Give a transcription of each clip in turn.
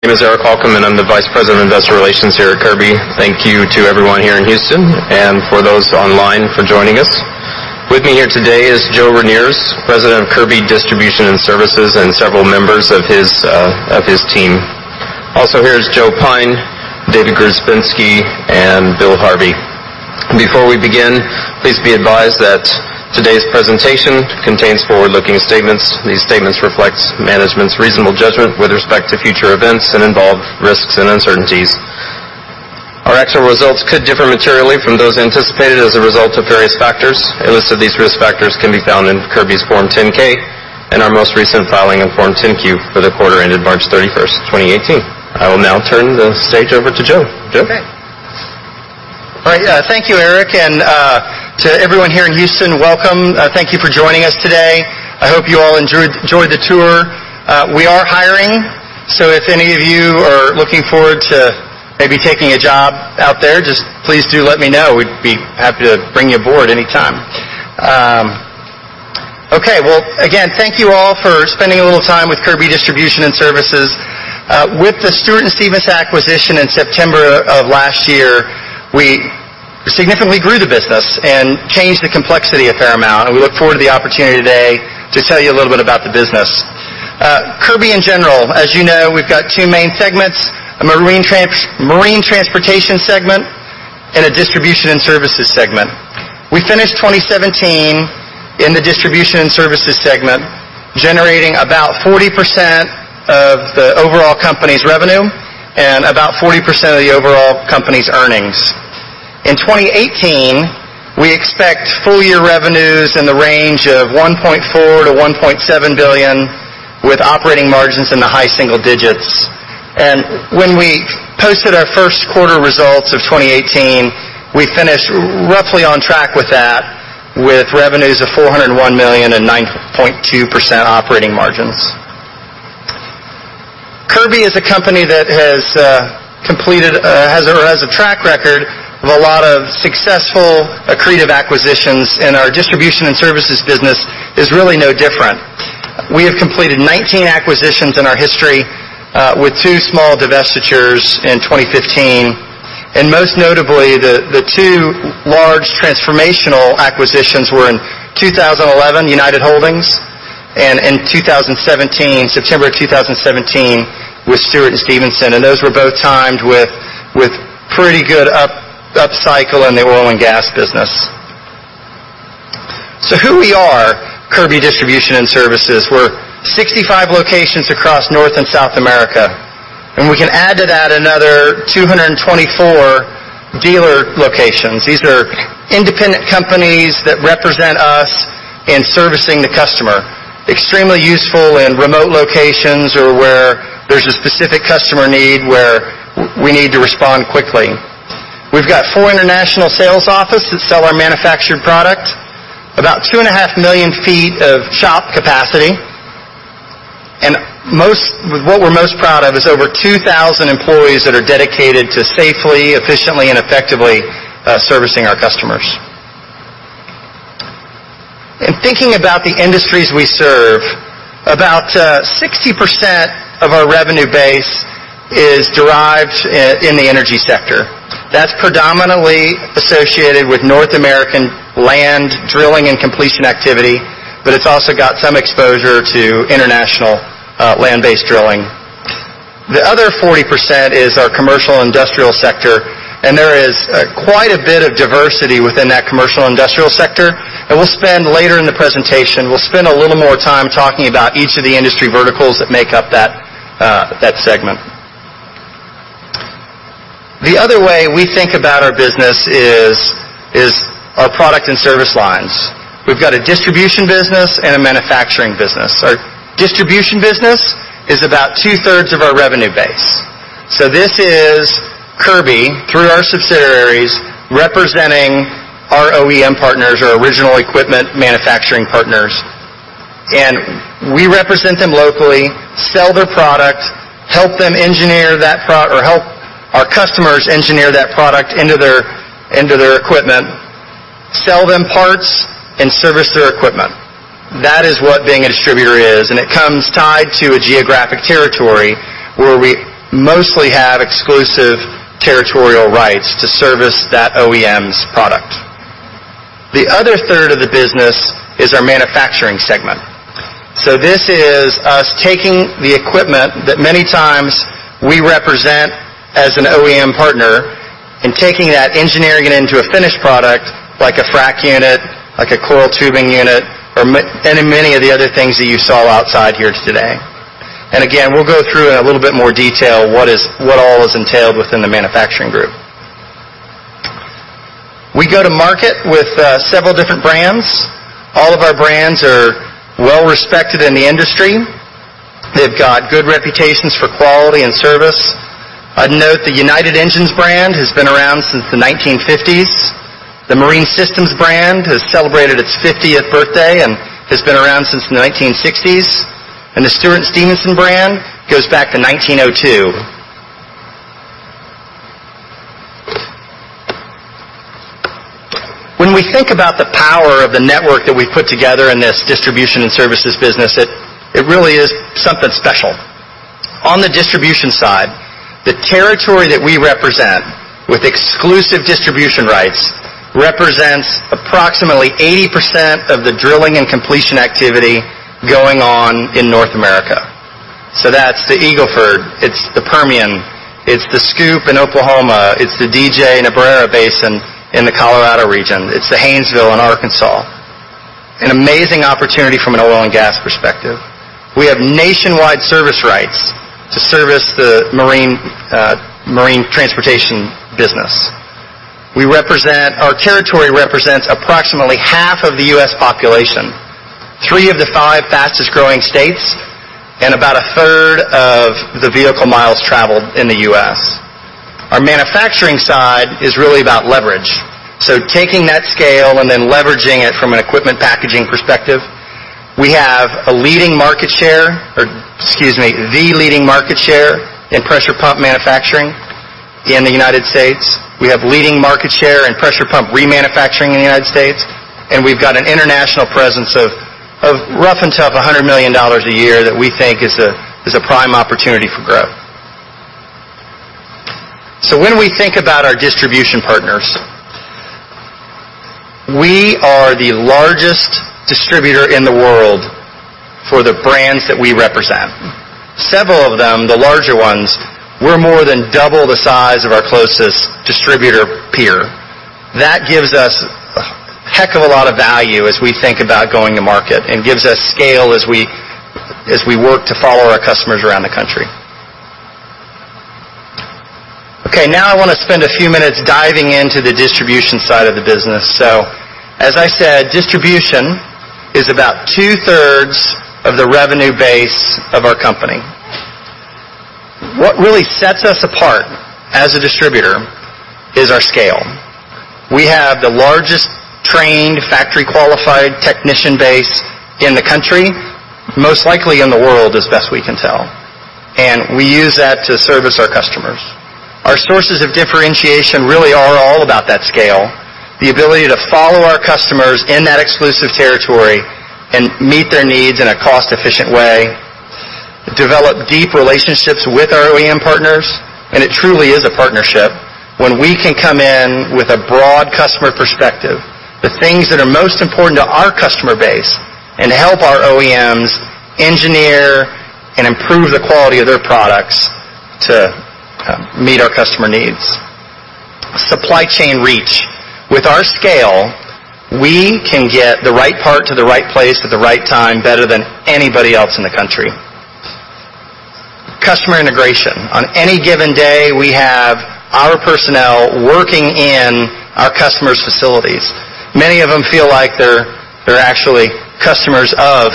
My name is Eric Holcomb, and I'm the Vice President of Investor Relations here at Kirby. Thank you to everyone here in Houston, and for those online for joining us. With me here today is Joe Reniers, President of Kirby Distribution & Services, and several members of his, of his team. Also here is Joe Pyne, David Grzebinski, and Bill Harvey. Before we begin, please be advised that today's presentation contains forward-looking statements. These statements reflect management's reasonable judgment with respect to future events and involve risks and uncertainties. Our actual results could differ materially from those anticipated as a result of various factors. A list of these risk factors can be found in Kirby's Form 10-K and our most recent filing in Form 10-Q for the quarter ended March 31, 2018. I will now turn the stage over to Joe. Joe? Okay. All right, thank you, Eric, and to everyone here in Houston, welcome. Thank you for joining us today. I hope you all enjoyed, enjoyed the tour. We are hiring, so if any of you are looking forward to maybe taking a job out there, just please do let me know. We'd be happy to bring you aboard anytime. Okay. Well, again, thank you all for spending a little time with Kirby Distribution and Services. With the Stewart & Stevenson acquisition in September of last year, we significantly grew the business and changed the complexity a fair amount, and we look forward to the opportunity today to tell you a little bit about the business. Kirby, in general, as you know, we've got two main segments: a marine trans-- marine transportation segment and a distribution and services segment. We finished 2017 in the distribution and services segment, generating about 40% of the overall company's revenue and about 40% of the overall company's earnings. In 2018, we expect full-year revenues in the range of $1.4 billion-$1.7 billion, with operating margins in the high single digits. When we posted our first quarter results of 2018, we finished roughly on track with that, with revenues of $401 million and 9.2% operating margins. Kirby is a company that has completed, has a track record of a lot of successful accretive acquisitions, and our distribution and services business is really no different. We have completed 19 acquisitions in our history with two small divestitures in 2015, and most notably, the two large transformational acquisitions were in 2011, United Holdings, and in 2017, September of 2017, with Stewart & Stevenson, and those were both timed with pretty good upcycle in the oil and gas business. So who we are, Kirby Distribution & Services. We're 65 locations across North and South America, and we can add to that another 224 dealer locations. These are independent companies that represent us in servicing the customer. Extremely useful in remote locations or where there's a specific customer need, where we need to respond quickly. We've got 4 international sales offices that sell our manufactured products, about 2.5 million feet of shop capacity, and most, what we're most proud of is over 2,000 employees that are dedicated to safely, efficiently, and effectively servicing our customers. In thinking about the industries we serve, about 60% of our revenue base is derived in the energy sector. That's predominantly associated with North American land drilling and completion activity, but it's also got some exposure to international land-based drilling. The other 40% is our commercial industrial sector, and there is quite a bit of diversity within that commercial industrial sector. And later in the presentation, we'll spend a little more time talking about each of the industry verticals that make up that that segment. The other way we think about our business is our product and service lines. We've got a distribution business and a manufacturing business. Our distribution business is about two-thirds of our revenue base. So this is Kirby, through our subsidiaries, representing our OEM partners, our original equipment manufacturing partners, and we represent them locally, sell their product, or help our customers engineer that product into their equipment, sell them parts, and service their equipment. That is what being a distributor is, and it comes tied to a geographic territory where we mostly have exclusive territorial rights to service that OEM's product. The other third of the business is our manufacturing segment. So this is us taking the equipment that many times we represent as an OEM partner and taking that, engineering it into a finished product, like a frac unit, like a coiled tubing unit, or and many of the other things that you saw outside here today. And again, we'll go through in a little bit more detail what all is entailed within the manufacturing group. We go to market with several different brands. All of our brands are well-respected in the industry. They've got good reputations for quality and service. I'd note the United Engines brand has been around since the 1950s. The Marine Systems brand has celebrated its 50th birthday and has been around since the 1960s, and the Stewart & Stevenson brand goes back to 1902. When we think about the power of the network that we've put together in this distribution and services business, it, it really is something special. On the distribution side, the territory that we represent with exclusive distribution rights represents approximately 80% of the drilling and completion activity going on in North America. So that's the Eagle Ford, it's the Permian, it's the SCOOP in Oklahoma, it's the DJ-Niobrara Basin in the Colorado region, it's the Haynesville in Arkansas. An amazing opportunity from an oil and gas perspective. We have nationwide service rights to service the marine, marine transportation business. Our territory represents approximately half of the U.S. population, three of the five fastest growing states, and about a third of the vehicle miles traveled in the U.S. Our manufacturing side is really about leverage. So taking that scale and then leveraging it from an equipment packaging perspective, we have a leading market share, or excuse me, the leading market share in pressure pump manufacturing in the United States. We have leading market share in pressure pump remanufacturing in the United States, and we've got an international presence of roughly $100 million a year that we think is a prime opportunity for growth. So when we think about our distribution partners, we are the largest distributor in the world for the brands that we represent. Several of them, the larger ones, we're more than double the size of our closest distributor peer. That gives us a heck of a lot of value as we think about going to market and gives us scale as we work to follow our customers around the country. Okay, now I want to spend a few minutes diving into the distribution side of the business. So as I said, distribution is about two-thirds of the revenue base of our company. What really sets us apart as a distributor is our scale. We have the largest trained, factory-qualified technician base in the country, most likely in the world, as best we can tell, and we use that to service our customers. Our sources of differentiation really are all about that scale, the ability to follow our customers in that exclusive territory and meet their needs in a cost-efficient way, develop deep relationships with our OEM partners. And it truly is a partnership when we can come in with a broad customer perspective, the things that are most important to our customer base, and help our OEMs engineer and improve the quality of their products to meet our customer needs. Supply chain reach. With our scale, we can get the right part to the right place at the right time better than anybody else in the country. Customer integration. On any given day, we have our personnel working in our customers' facilities. Many of them feel like they're, they're actually customers of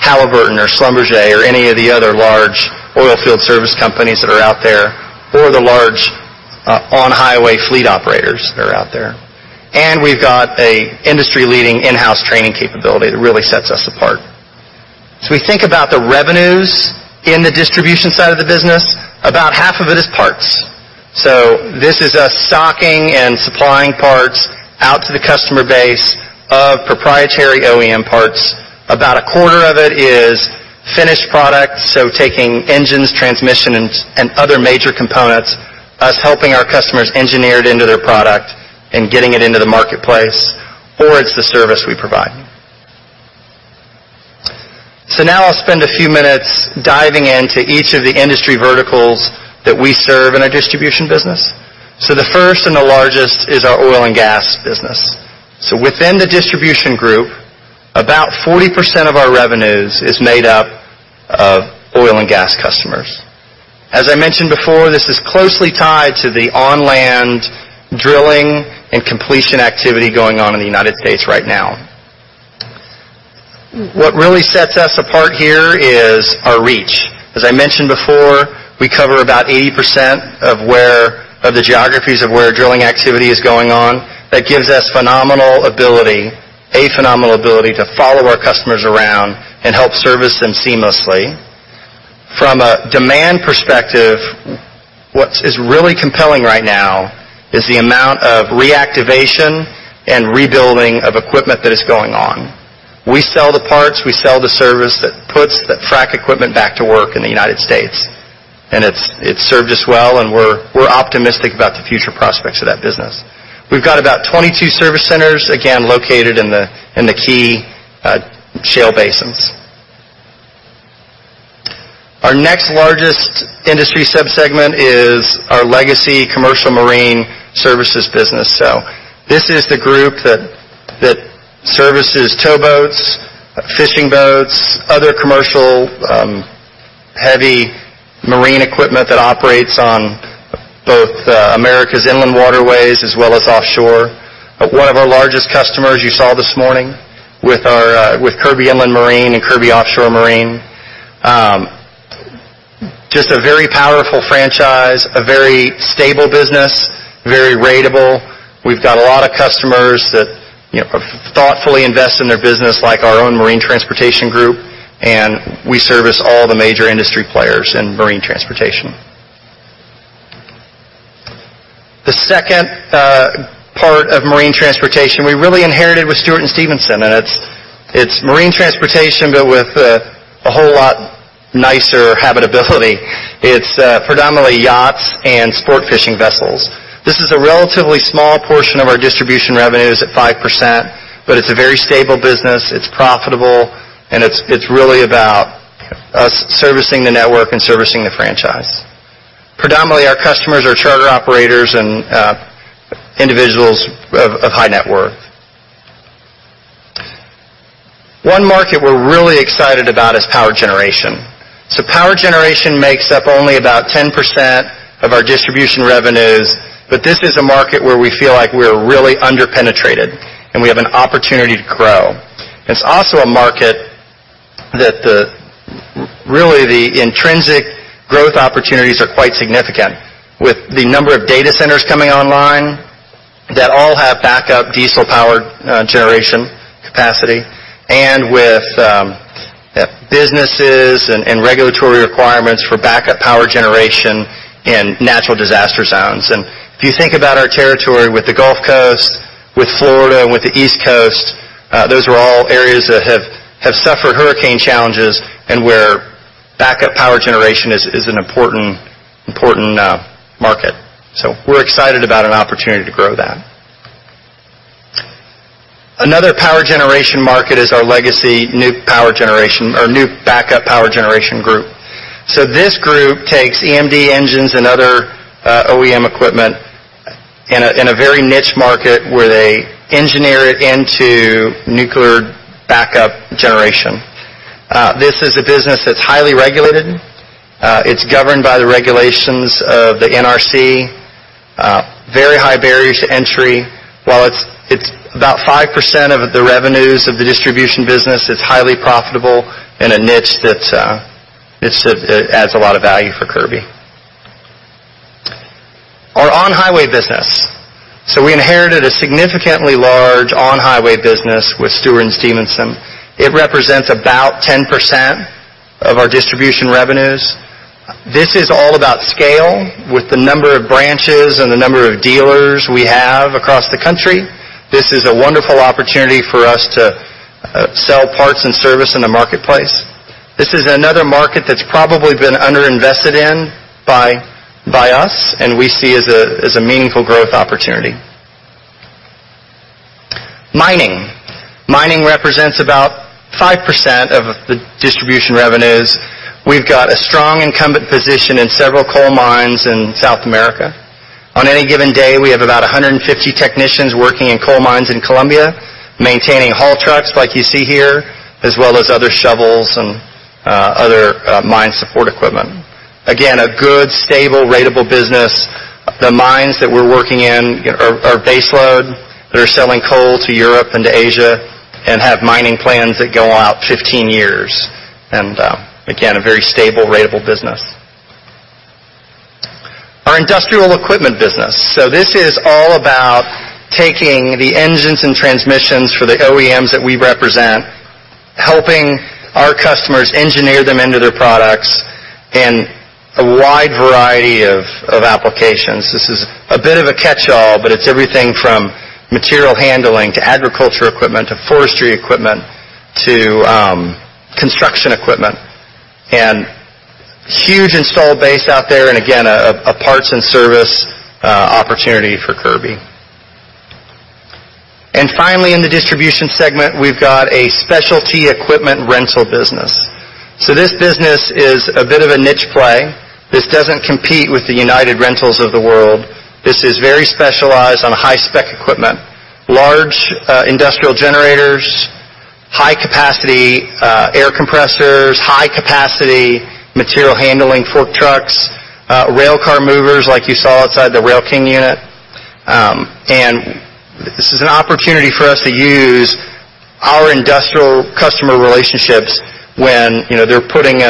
Halliburton or Schlumberger or any of the other large oilfield service companies that are out there, or the large, on-highway fleet operators that are out there. And we've got an industry-leading in-house training capability that really sets us apart. So we think about the revenues in the distribution side of the business, about half of it is parts. So this is us stocking and supplying parts out to the customer base of proprietary OEM parts. About a quarter of it is finished product, so taking engines, transmission, and, and other major components, us helping our customers engineer it into their product and getting it into the marketplace, or it's the service we provide. So now I'll spend a few minutes diving into each of the industry verticals that we serve in our distribution business. So the first and the largest is our oil and gas business. So within the distribution group, about 40% of our revenues is made up of oil and gas customers. As I mentioned before, this is closely tied to the on-land drilling and completion activity going on in the United States right now. What really sets us apart here is our reach. As I mentioned before, we cover about 80% of where of the geographies of where drilling activity is going on. That gives us phenomenal ability, a phenomenal ability to follow our customers around and help service them seamlessly. From a demand perspective, what's really compelling right now is the amount of reactivation and rebuilding of equipment that is going on. We sell the parts, we sell the service that puts the frac equipment back to work in the United States, and it's, it's served us well, and we're, we're optimistic about the future prospects of that business. We've got about 22 service centers, again, located in the key shale basins. Our next largest industry subsegment is our legacy commercial marine services business. So this is the group that, that services towboats, fishing boats, other commercial heavy marine equipment that operates on both America's inland waterways as well as offshore. One of our largest customers you saw this morning with our Kirby Inland Marine and Kirby Offshore Marine. Just a very powerful franchise, a very stable business, very ratable. We've got a lot of customers that, you know, thoughtfully invest in their business, like our own marine transportation group, and we service all the major industry players in marine transportation. The second part of marine transportation, we really inherited with Stewart & Stevenson, and it's, it's marine transportation, but with a, a whole lot nicer habitability. It's predominantly yachts and sport fishing vessels. This is a relatively small portion of our distribution revenues at 5%, but it's a very stable business, it's profitable, and it's, it's really about us servicing the network and servicing the franchise. Predominantly, our customers are charter operators and individuals of high net worth. One market we're really excited about is power generation. So power generation makes up only about 10% of our distribution revenues, but this is a market where we feel like we're really under-penetrated, and we have an opportunity to grow. It's also a market that really, the intrinsic growth opportunities are quite significant, with the number of data centers coming online that all have backup diesel-powered generation capacity, and with businesses and regulatory requirements for backup power generation in natural disaster zones. And if you think about our territory with the Gulf Coast, with Florida, and with the East Coast, those are all areas that have suffered hurricane challenges and where backup power generation is an important market. So we're excited about an opportunity to grow that. Another power generation market is our legacy nuke power generation or nuke backup power generation group. So this group takes EMD engines and other OEM equipment in a very niche market where they engineer it into nuclear backup generation. This is a business that's highly regulated. It's governed by the regulations of the NRC. Very high barriers to entry. While it's about 5% of the revenues of the distribution business, it's highly profitable and a niche that adds a lot of value for Kirby. Our on-highway business. So we inherited a significantly large on-highway business with Stewart & Stevenson. It represents about 10% of our distribution revenues. This is a wonderful opportunity for us to sell parts and service in the marketplace. This is another market that's probably been underinvested in by us, and we see as a meaningful growth opportunity. Mining. Mining represents about 5% of the distribution revenues. We've got a strong incumbent position in several coal mines in South America. On any given day, we have about 150 technicians working in coal mines in Colombia, maintaining haul trucks, like you see here, as well as other shovels and other mine support equipment. Again, a good, stable, ratable business. The mines that we're working in are baseload. They're selling coal to Europe and to Asia and have mining plans that go out 15 years, and again, a very stable, ratable business. Our industrial equipment business. So this is all about taking the engines and transmissions for the OEMs that we represent, helping our customers engineer them into their products in a wide variety of applications. This is a bit of a catch-all, but it's everything from material handling to agriculture equipment to forestry equipment to construction equipment, and huge install base out there, and again, a parts and service opportunity for Kirby. And finally, in the distribution segment, we've got a specialty equipment rental business. So this business is a bit of a niche play. This doesn't compete with the United Rentals of the world. This is very specialized on high-spec equipment, large industrial generators, high-capacity air compressors, high-capacity material handling fork trucks, railcar movers, like you saw outside the Rail King unit. And this is an opportunity for us to use our industrial customer relationships when, you know, they're putting in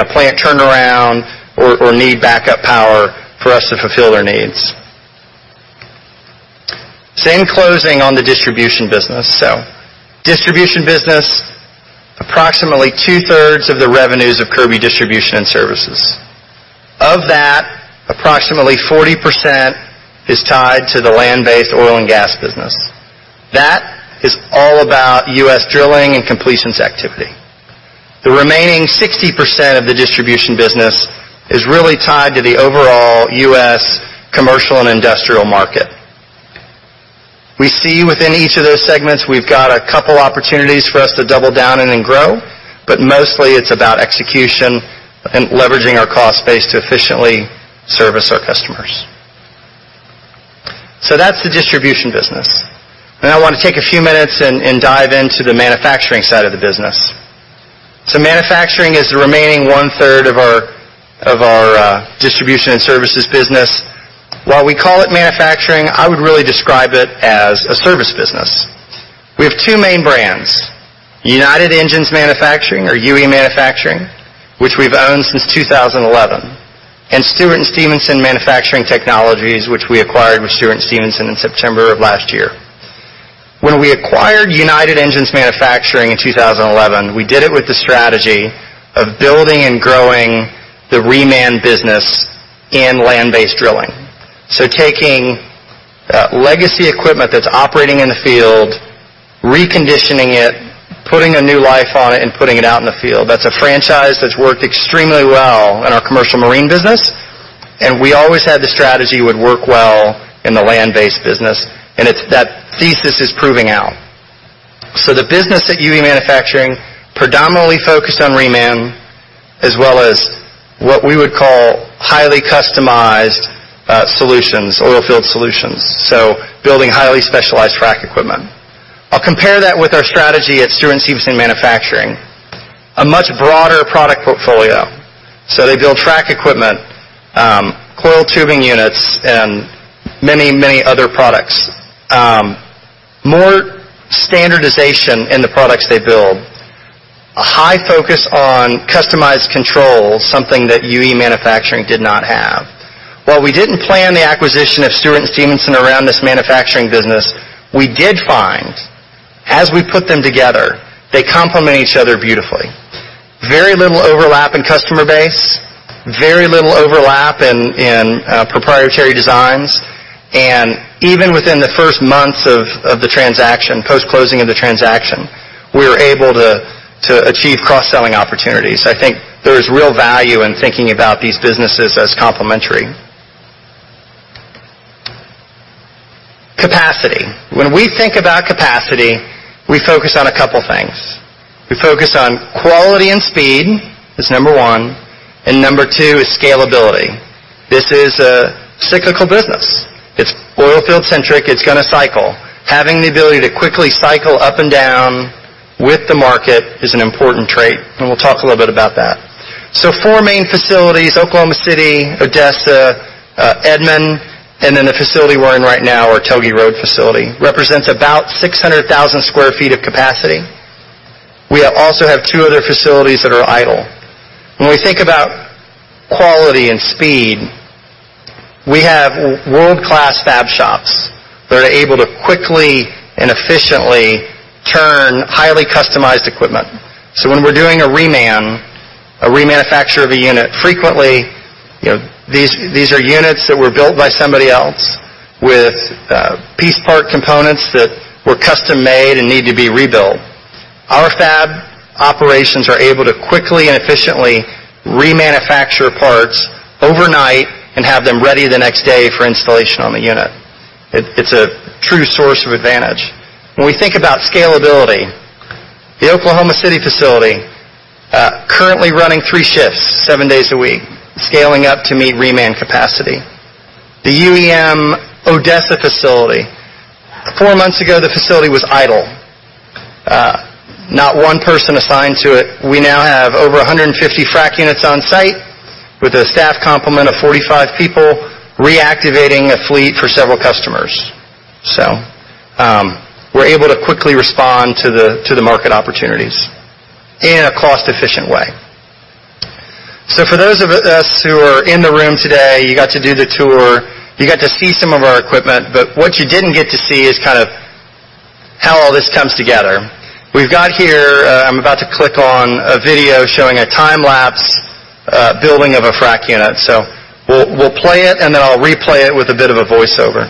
a plant turnaround or need backup power for us to fulfill their needs. So in closing on the distribution business, so distribution business, approximately two-thirds of the revenues of Kirby Distribution and Services. Of that, approximately 40% is tied to the land-based oil and gas business. That is all about U.S. drilling and completions activity. The remaining 60% of the distribution business is really tied to the overall U.S. commercial and industrial market. We see within each of those segments, we've got a couple opportunities for us to double down and then grow, but mostly it's about execution and leveraging our cost base to efficiently service our customers. So that's the distribution business, and I want to take a few minutes and dive into the manufacturing side of the business. So manufacturing is the remaining one-third of our, of our, distribution and services business. While we call it manufacturing, I would really describe it as a service business. We have two main brands, United Engines Manufacturing or UE Manufacturing, which we've owned since 2011, and Stewart & Stevenson Manufacturing Technologies, which we acquired with Stewart & Stevenson in September of last year. When we acquired United Engines Manufacturing in 2011, we did it with the strategy of building and growing the reman business in land-based drilling. So taking, legacy equipment that's operating in the field, reconditioning it, putting a new life on it, and putting it out in the field. That's a franchise that's worked extremely well in our commercial marine business, and we always had the strategy it would work well in the land-based business, and it's—that thesis is proving out. So the business at UE Manufacturing predominantly focused on reman as well as what we would call highly customized solutions, oil field solutions, so building highly specialized frac equipment. I'll compare that with our strategy at Stewart & Stevenson Manufacturing, a much broader product portfolio. So they build frac equipment, coiled tubing units, and many, many other products. More standardization in the products they build. A high focus on customized control, something that UE Manufacturing did not have. While we didn't plan the acquisition of Stewart & Stevenson around this manufacturing business, we did find, as we put them together, they complement each other beautifully. Very little overlap in customer base, very little overlap in, in proprietary designs, and even within the first months of, of the transaction, post-closing of the transaction, we were able to, to achieve cross-selling opportunities. I think there is real value in thinking about these businesses as complementary. Capacity. When we think about capacity, we focus on a couple things. We focus on quality and speed, is number one, and number two is scalability. This is a cyclical business. It's oil field centric. It's gonna cycle. Having the ability to quickly cycle up and down with the market is an important trait, and we'll talk a little bit about that. So four main facilities, Oklahoma City, Odessa, Edmond, and then the facility we're in right now, our Telge Road facility, represents about 600,000 sq ft of capacity. We also have two other facilities that are idle. When we think about quality and speed, we have world-class fab shops that are able to quickly and efficiently turn highly customized equipment. So when we're doing a reman, a remanufacture of a unit, frequently, you know, these, these are units that were built by somebody else with piece part components that were custom-made and need to be rebuilt. Our fab operations are able to quickly and efficiently remanufacture parts overnight and have them ready the next day for installation on the unit. It's, it's a true source of advantage. When we think about scalability, the Oklahoma City facility currently running three shifts, seven days a week, scaling up to meet reman capacity. The UEM Odessa facility, four months ago, the facility was idle, not one person assigned to it. We now have over 150 frac units on site with a staff complement of 45 people, reactivating a fleet for several customers. So, we're able to quickly respond to the market opportunities in a cost-efficient way. So for those of us who are in the room today, you got to do the tour, you got to see some of our equipment, but what you didn't get to see is kind of how all this comes together. We've got here, I'm about to click on a video showing a time-lapse building of a frac unit. So we'll play it, and then I'll replay it with a bit of a voiceover.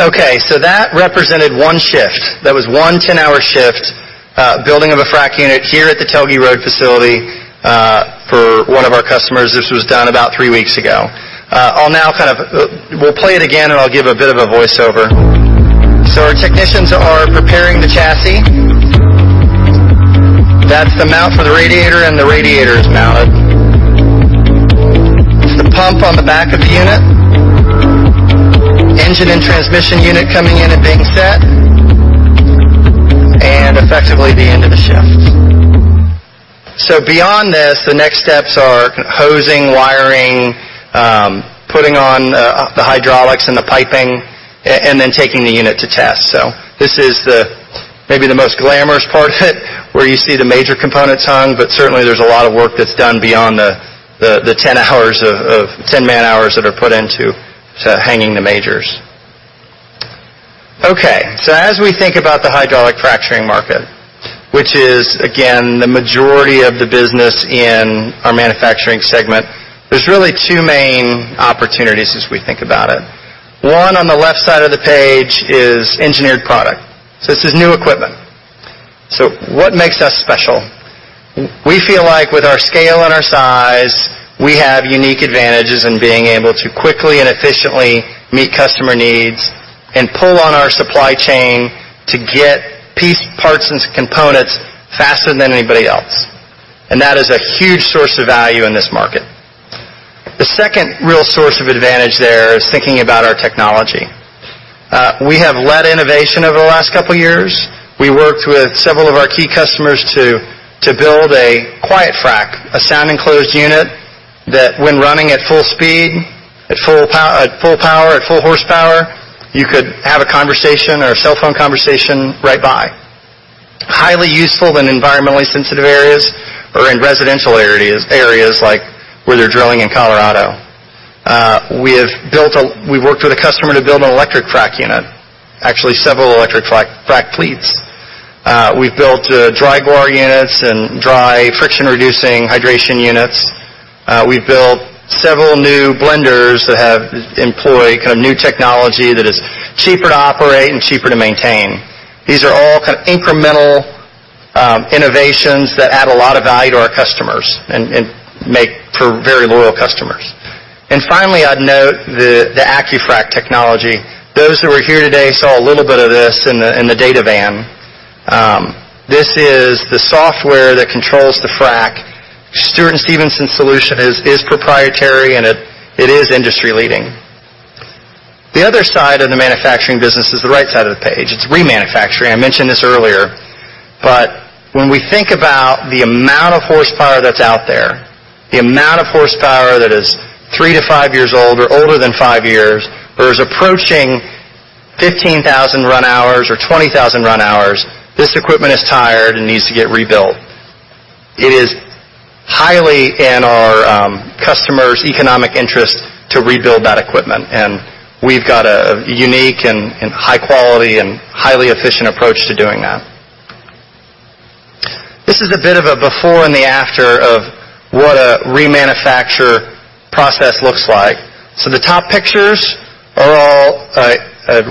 Okay, so that represented one shift. That was one 10-hour shift, building of a frac unit here at the Telge Road facility, for one of our customers. This was done about 3 weeks ago. I'll now kind of... We'll play it again, and I'll give a bit of a voiceover. So our technicians are preparing the chassis. That's the mount for the radiator, and the radiator is mounted. The pump on the back of the unit. Engine and transmission unit coming in and being set. And effectively, the end of the shift. So beyond this, the next steps are hosing, wiring, putting on the hydraulics and the piping, and then taking the unit to test. So this is maybe the most glamorous part of it, where you see the major components hung, but certainly, there's a lot of work that's done beyond the 10 hours of 10 man-hours that are put into hanging the majors. Okay, so as we think about the hydraulic fracturing market, which is, again, the majority of the business in our manufacturing segment, there's really two main opportunities as we think about it. One, on the left side of the page, is engineered product. So this is new equipment. So what makes us special? We feel like with our scale and our size, we have unique advantages in being able to quickly and efficiently meet customer needs and pull on our supply chain to get piece, parts, and components faster than anybody else, and that is a huge source of value in this market. The second real source of advantage there is thinking about our technology. We have led innovation over the last couple years. We worked with several of our key customers to build a quiet frac, a sound enclosed unit, that when running at full speed, at full power, at full horsepower, you could have a conversation or a cell phone conversation right by. Highly useful in environmentally sensitive areas or in residential areas, areas like where they're drilling in Colorado. We have built—we've worked with a customer to build an electric frac unit, actually, several electric frac fleets. We've built dry guar units and dry friction-reducing hydration units. We've built several new blenders that have employed kind of new technology that is cheaper to operate and cheaper to maintain. These are all kind of incremental innovations that add a lot of value to our customers and make for very loyal customers. And finally, I'd note the AccuFrac technology. Those who are here today saw a little bit of this in the data van. This is the software that controls the frac. Stewart & Stevenson's solution is proprietary, and it is industry-leading. The other side of the manufacturing business is the right side of the page. It's remanufacturing. I mentioned this earlier, but when we think about the amount of horsepower that's out there, the amount of horsepower that is 3-5 years old or older than 5 years, or is approaching 15,000 run hours or 20,000 run hours, this equipment is tired and needs to get rebuilt. It is highly in our customers' economic interest to rebuild that equipment, and we've got a unique and high quality and highly efficient approach to doing that. This is a bit of a before and after of what a remanufacture process looks like. So the top pictures are all a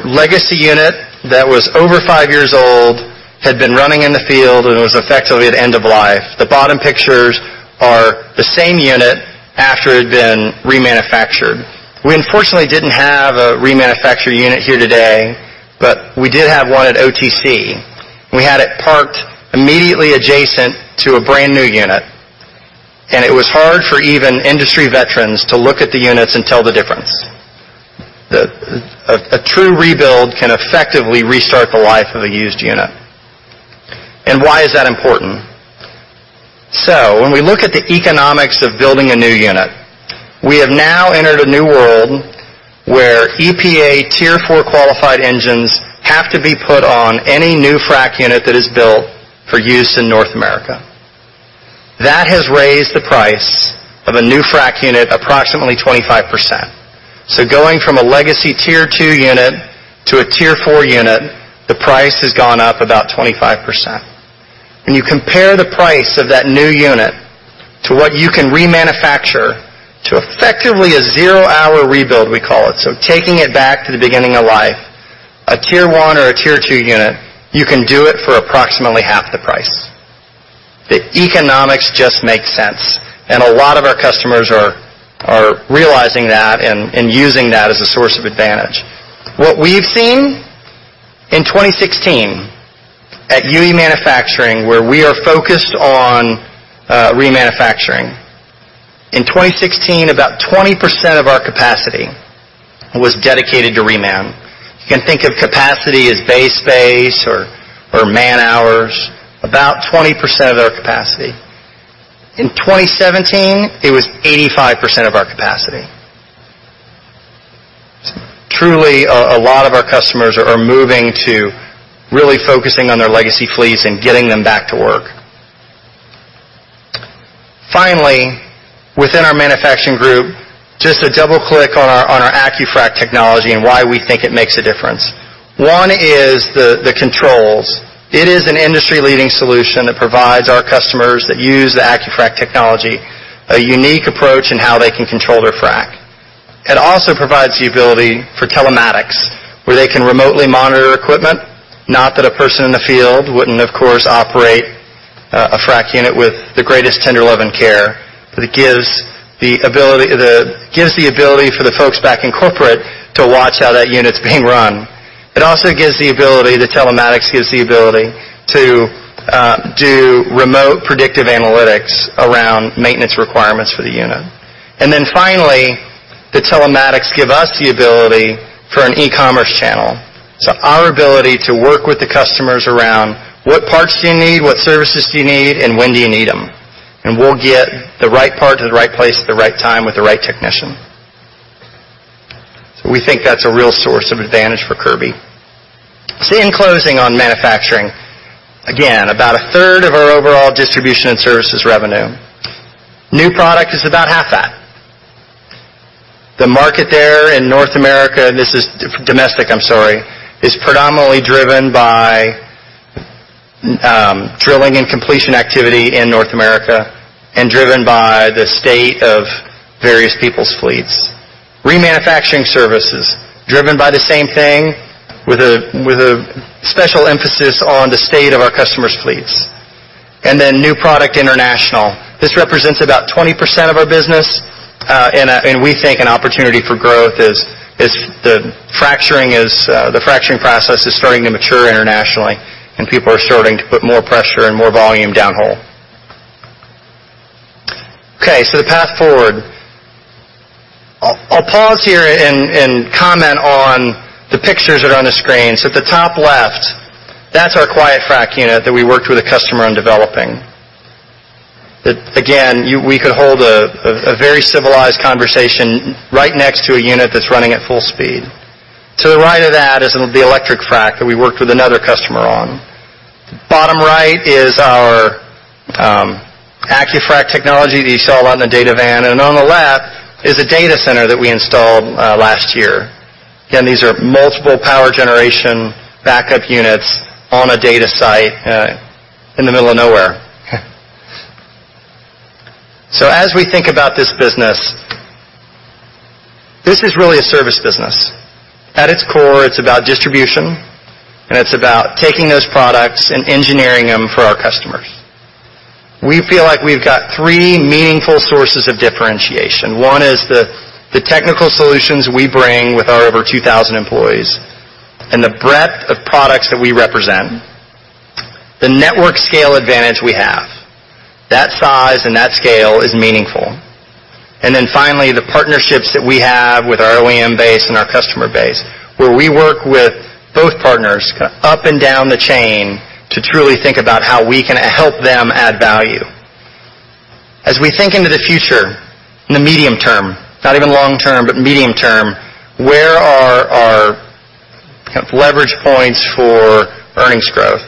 legacy unit that was over five years old, had been running in the field, and was effectively at end of life. The bottom pictures are the same unit after it had been remanufactured. We unfortunately didn't have a remanufactured unit here today, but we did have one at OTC. We had it parked immediately adjacent to a brand-new unit, and it was hard for even industry veterans to look at the units and tell the difference. A true rebuild can effectively restart the life of a used unit. And why is that important? So when we look at the economics of building a new unit, we have now entered a new world where EPA Tier 4 qualified engines have to be put on any new frac unit that is built for use in North America. That has raised the price of a new frac unit approximately 25%. So going from a legacy Tier 2 unit to a Tier 4 unit, the price has gone up about 25%. When you compare the price of that new unit to what you can remanufacture to effectively a zero-hour rebuild, we call it, so taking it back to the beginning of life, a Tier 1 or a Tier 2 unit, you can do it for approximately half the price. The economics just make sense, and a lot of our customers are realizing that and using that as a source of advantage. What we've seen in 2016 at UE Manufacturing, where we are focused on remanufacturing. In 2016, about 20% of our capacity was dedicated to reman. You can think of capacity as base space or man-hours, about 20% of our capacity. In 2017, it was 85% of our capacity. Truly, a lot of our customers are moving to really focusing on their legacy fleets and getting them back to work. Finally, within our manufacturing group, just to double-click on our AccuFrac technology and why we think it makes a difference. One is the controls. It is an industry-leading solution that provides our customers that use the AccuFrac technology a unique approach in how they can control their frac. It also provides the ability for telematics, where they can remotely monitor equipment. Not that a person in the field wouldn't, of course, operate a frac unit with the greatest tender love and care, but it gives the ability, gives the ability for the folks back in corporate to watch how that unit's being run. It also gives the ability, the telematics gives the ability to do remote predictive analytics around maintenance requirements for the unit. And then finally, the telematics give us the ability for an e-commerce channel. So our ability to work with the customers around what parts do you need, what services do you need, and when do you need them? And we'll get the right part to the right place at the right time with the right technician. So we think that's a real source of advantage for Kirby. So in closing on manufacturing, again, about a third of our overall distribution and services revenue. New product is about half that. The market there in North America, and this is domestic, I'm sorry, is predominantly driven by drilling and completion activity in North America and driven by the state of various people's fleets. Remanufacturing services, driven by the same thing, with a special emphasis on the state of our customers' fleets. And then new product international. This represents about 20% of our business, and we think an opportunity for growth is the fracturing process is starting to mature internationally... and people are starting to put more pressure and more volume downhole. Okay, so the path forward. I'll pause here and comment on the pictures that are on the screen. So at the top left, that's our quiet frac unit that we worked with a customer on developing. That, again, we could hold a very civilized conversation right next to a unit that's running at full speed. To the right of that is the electric frac that we worked with another customer on. Bottom right is our AccuFrac technology that you saw on the data van, and on the left is a data center that we installed last year. Again, these are multiple power generation backup units on a data site in the middle of nowhere. So as we think about this business, this is really a service business. At its core, it's about distribution, and it's about taking those products and engineering them for our customers. We feel like we've got three meaningful sources of differentiation. One is the technical solutions we bring with our over 2,000 employees and the breadth of products that we represent. The network scale advantage we have. That size and that scale is meaningful. And then finally, the partnerships that we have with our OEM base and our customer base, where we work with both partners up and down the chain to truly think about how we can help them add value. As we think into the future, in the medium term, not even long term, but medium term, where are our kind of leverage points for earnings growth?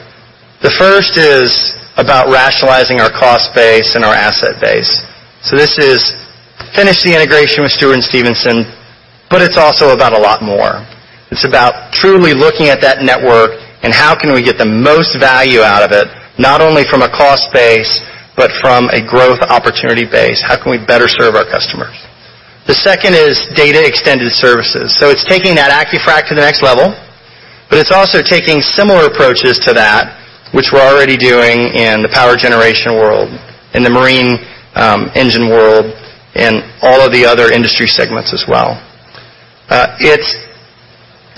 The first is about rationalizing our cost base and our asset base. So this is finish the integration with Stewart & Stevenson, but it's also about a lot more. It's about truly looking at that network and how can we get the most value out of it, not only from a cost base, but from a growth opportunity base. How can we better serve our customers? The second is data extended services. So it's taking that AccuFrac to the next level, but it's also taking similar approaches to that, which we're already doing in the power generation world, in the marine, engine world, and all of the other industry segments as well. It's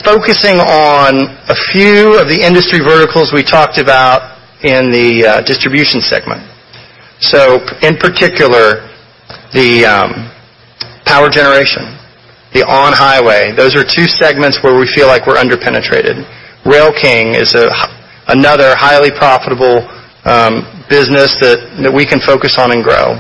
focusing on a few of the industry verticals we talked about in the distribution segment. So in particular, the power generation, the on-highway, those are two segments where we feel like we're underpenetrated. Rail King is another highly profitable business that we can focus on and grow.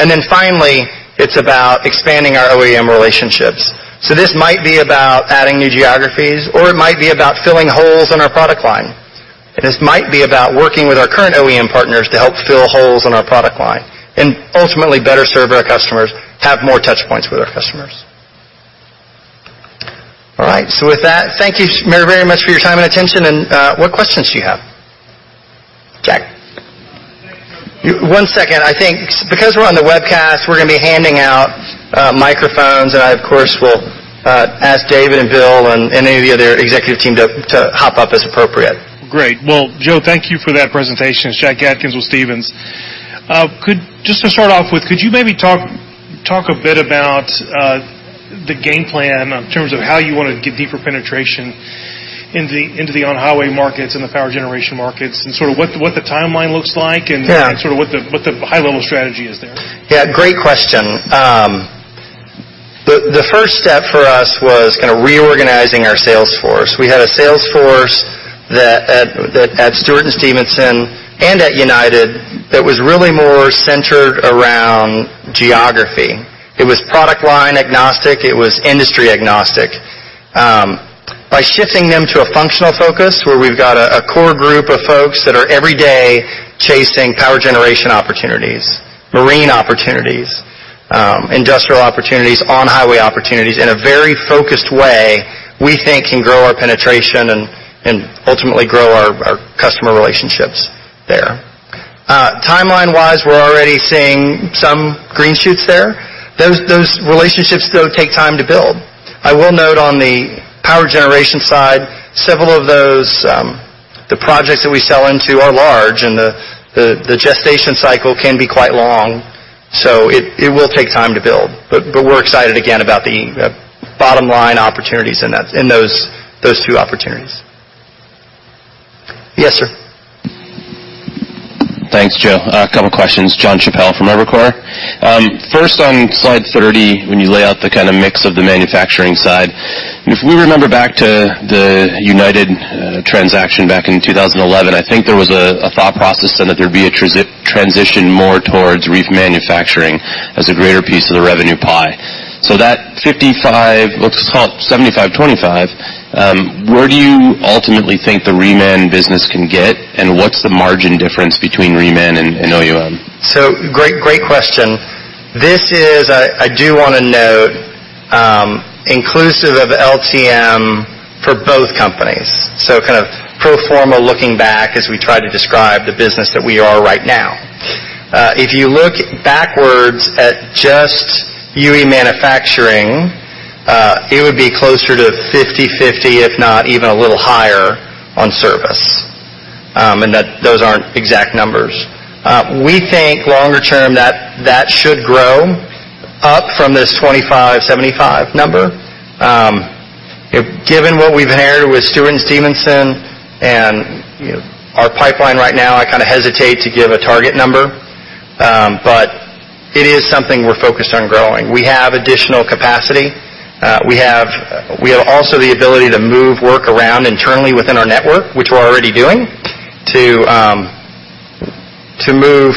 And then finally, it's about expanding our OEM relationships. So this might be about adding new geographies, or it might be about filling holes in our product line. This might be about working with our current OEM partners to help fill holes in our product line and ultimately better serve our customers, have more touchpoints with our customers. All right, so with that, thank you very, very much for your time and attention, and what questions do you have? Jack. One second, I think because we're on the webcast, we're gonna be handing out microphones, and I, of course, will ask David and Bill and any of the other executive team to hop up as appropriate. Great. Well, Joe, thank you for that presentation. It's Jack Atkins with Stephens. Could you just to start off with maybe talk a bit about the game plan in terms of how you wanna get deeper penetration into the on-highway markets and the power generation markets, and sort of what the timeline looks like? Yeah. Sort of what the high-level strategy is there? Yeah, great question. The first step for us was kind of reorganizing our sales force. We had a sales force that at Stewart & Stevenson and at United, that was really more centered around geography. It was product line agnostic. It was industry agnostic. By shifting them to a functional focus, where we've got a core group of folks that are every day chasing power generation opportunities, marine opportunities, industrial opportunities, on-highway opportunities, in a very focused way, we think can grow our penetration and ultimately grow our customer relationships there. Timeline-wise, we're already seeing some green shoots there. Those relationships, though, take time to build. I will note on the power generation side, several of those, the projects that we sell into are large, and the gestation cycle can be quite long, so it will take time to build. But we're excited again about the bottom line opportunities in those two opportunities. Yes, sir. Thanks, Joe. A couple questions. Jon Chappell from Evercore. First, on slide 30, when you lay out the kind of mix of the manufacturing side, if we remember back to the United transaction back in 2011, I think there was a thought process then that there'd be a transition more towards remanufacturing as a greater piece of the revenue pie. So that 55, let's call it 75, 25, where do you ultimately think the reman business can get, and what's the margin difference between reman and OEM? So great, great question. This is, I, I do wanna note, inclusive of LTM for both companies, so kind of pro forma looking back as we try to describe the business that we are right now. If you look backwards at just UE Manufacturing, it would be closer to 50/50, if not even a little higher on service, and that those aren't exact numbers. We think longer term that, that should grow up from this 25/75 number. Given what we've inherited with Stewart & Stevenson and, you know, our pipeline right now, I kind of hesitate to give a target number, but it is something we're focused on growing. We have additional capacity. We have also the ability to move work around internally within our network, which we're already doing, to move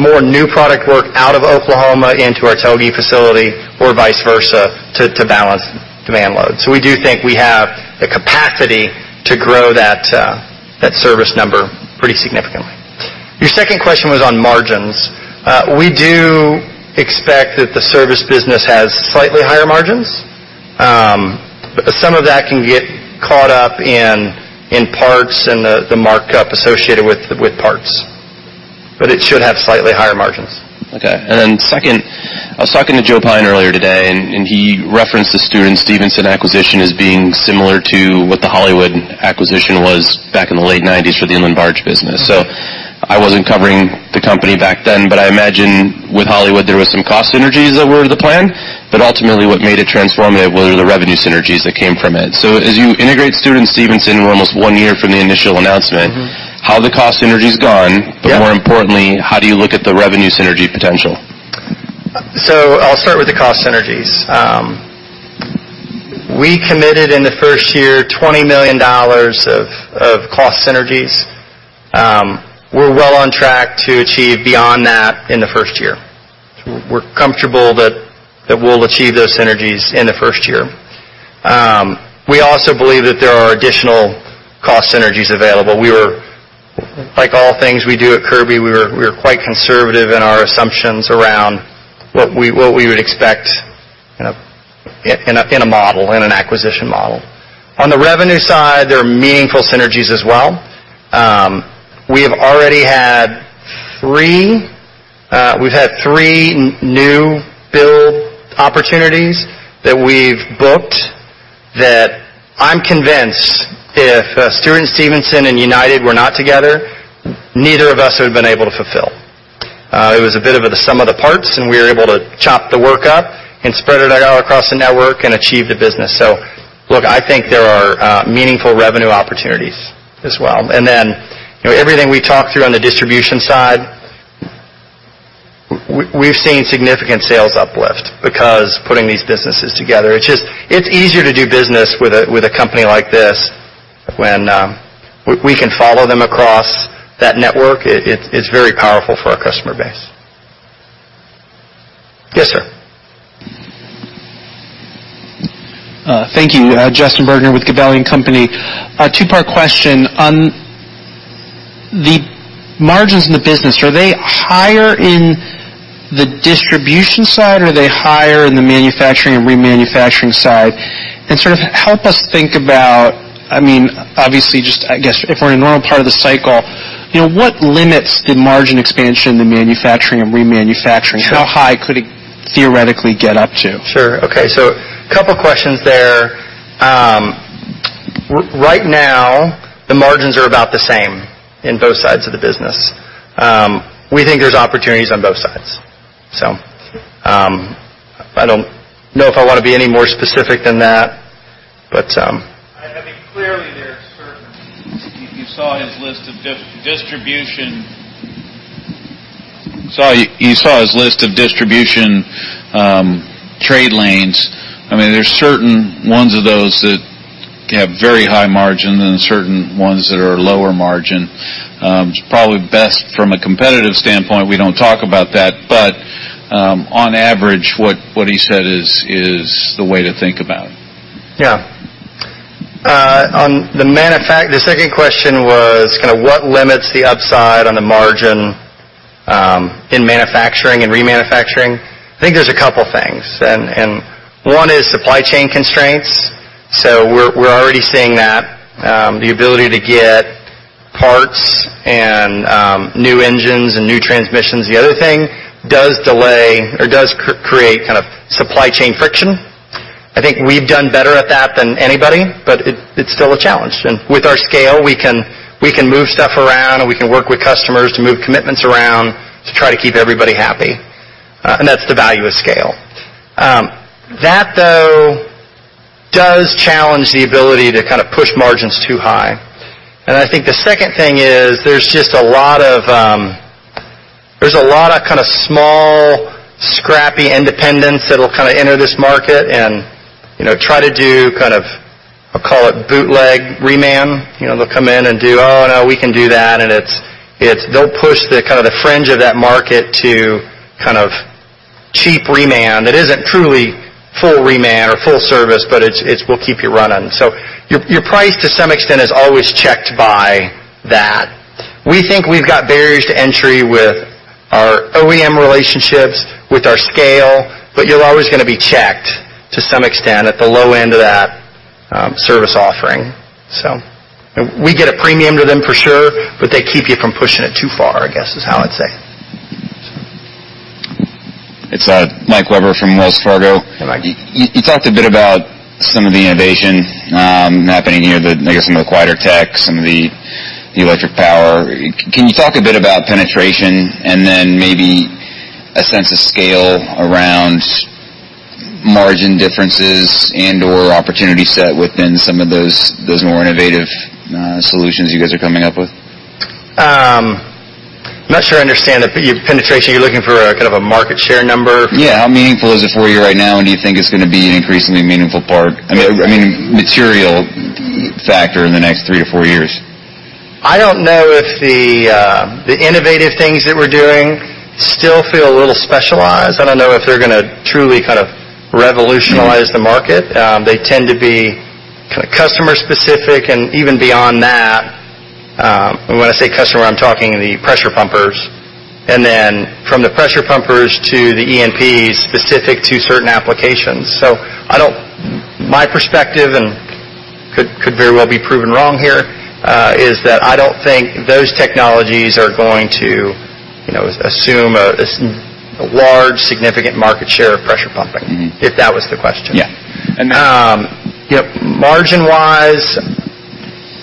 more new product work out of Oklahoma into our Telge facility or vice versa, to balance demand load. So we do think we have the capacity to grow that service number pretty significantly. Your second question was on margins. We do expect that the service business has slightly higher margins. Some of that can get caught up in parts and the markup associated with parts, but it should have slightly higher margins. Okay. And then second, I was talking to Joe Pyne earlier today, and, and he referenced the Stewart & Stevenson acquisition as being similar to what the Hollywood Marine acquisition was back in the late 1990s for the inland barge business. So I wasn't covering the company back then, but I imagine with Hollywood Marine, there was some cost synergies that were the plan, but ultimately, what made it transformative were the revenue synergies that came from it. So as you integrate Stewart & Stevenson, we're almost one year from the initial announcement- Mm-hmm. How are the cost synergies gone? Yep. But more importantly, how do you look at the revenue synergy potential? So I'll start with the cost synergies. We committed in the first year $20 million of cost synergies. We're well on track to achieve beyond that in the first year. We're comfortable that we'll achieve those synergies in the first year. We also believe that there are additional cost synergies available. Like all things we do at Kirby, we were quite conservative in our assumptions around what we would expect in an acquisition model. On the revenue side, there are meaningful synergies as well. We have already had three new build opportunities that we've booked, that I'm convinced if Stewart & Stevenson and United were not together, neither of us would have been able to fulfill. It was a bit of a sum of the parts, and we were able to chop the work up and spread it out across the network and achieve the business. So look, I think there are meaningful revenue opportunities as well. And then, you know, everything we talked through on the distribution side, we've seen significant sales uplift because putting these businesses together, it's just, it's easier to do business with a company like this when we can follow them across that network. It's very powerful for our customer base. Yes, sir. Thank you. Justin Bergner with Gabelli & Company. A two-part question. On the margins in the business, are they higher in the distribution side, or are they higher in the manufacturing and remanufacturing side? And sort of help us think about, I mean, obviously, just I guess, if we're in a normal part of the cycle, you know, what limits the margin expansion in the manufacturing and remanufacturing? How high could it theoretically get up to? Sure. Okay, so a couple of questions there. Right now, the margins are about the same in both sides of the business. We think there's opportunities on both sides. So, I don't know if I want to be any more specific than that, but, I mean, clearly, there are certain. So you saw his list of distribution trade lanes. I mean, there's certain ones of those that have very high margin and certain ones that are lower margin. It's probably best from a competitive standpoint, we don't talk about that, but on average, what he said is the way to think about it. Yeah. On the manufacturing—the second question was kind of what limits the upside on the margin in manufacturing and remanufacturing. I think there's a couple things, and one is supply chain constraints. So we're already seeing that, the ability to get parts and new engines and new transmissions. The other thing does delay or create kind of supply chain friction. I think we've done better at that than anybody, but it's still a challenge. And with our scale, we can move stuff around, and we can work with customers to move commitments around to try to keep everybody happy. And that's the value of scale. That, though, does challenge the ability to kind of push margins too high. And I think the second thing is there's just a lot of, there's a lot of kind of small, scrappy independents that will kind of enter this market and, you know, try to do kind of, I'll call it bootleg reman. You know, they'll come in and do, "Oh, no, we can do that." And it's, it's - they'll push the kind of the fringe of that market to kind of cheap reman. It isn't truly full reman or full service, but it's, it will keep you running. So your price, to some extent, is always checked by that. We think we've got barriers to entry with our OEM relationships, with our scale, but you're always going to be checked to some extent at the low end of that service. We get a premium to them for sure, but they keep you from pushing it too far, I guess, is how I'd say. It's Mike Webber from Wells Fargo. Hey, Mike. You, you talked a bit about some of the innovation happening here, I guess, some of the quieter tech, some of the electric power. Can you talk a bit about penetration and then maybe a sense of scale around margin differences and or opportunity set within some of those more innovative solutions you guys are coming up with? I'm not sure I understand it, but your penetration, you're looking for a kind of a market share number? Yeah. How meaningful is it for you right now? And do you think it's gonna be an increasingly meaningful part? I mean, I mean, material factor in the next 3-4 years. I don't know if the innovative things that we're doing still feel a little specialized. I don't know if they're gonna truly kind of revolutionize the market. They tend to be customer specific, and even beyond that, and when I say customer, I'm talking the pressure pumpers. And then from the pressure pumpers to the E&Ps, specific to certain applications. So my perspective, and could very well be proven wrong here, is that I don't think those technologies are going to, you know, assume a large, significant market share of pressure pumping if that was the question. Yeah. Yep, margin-wise,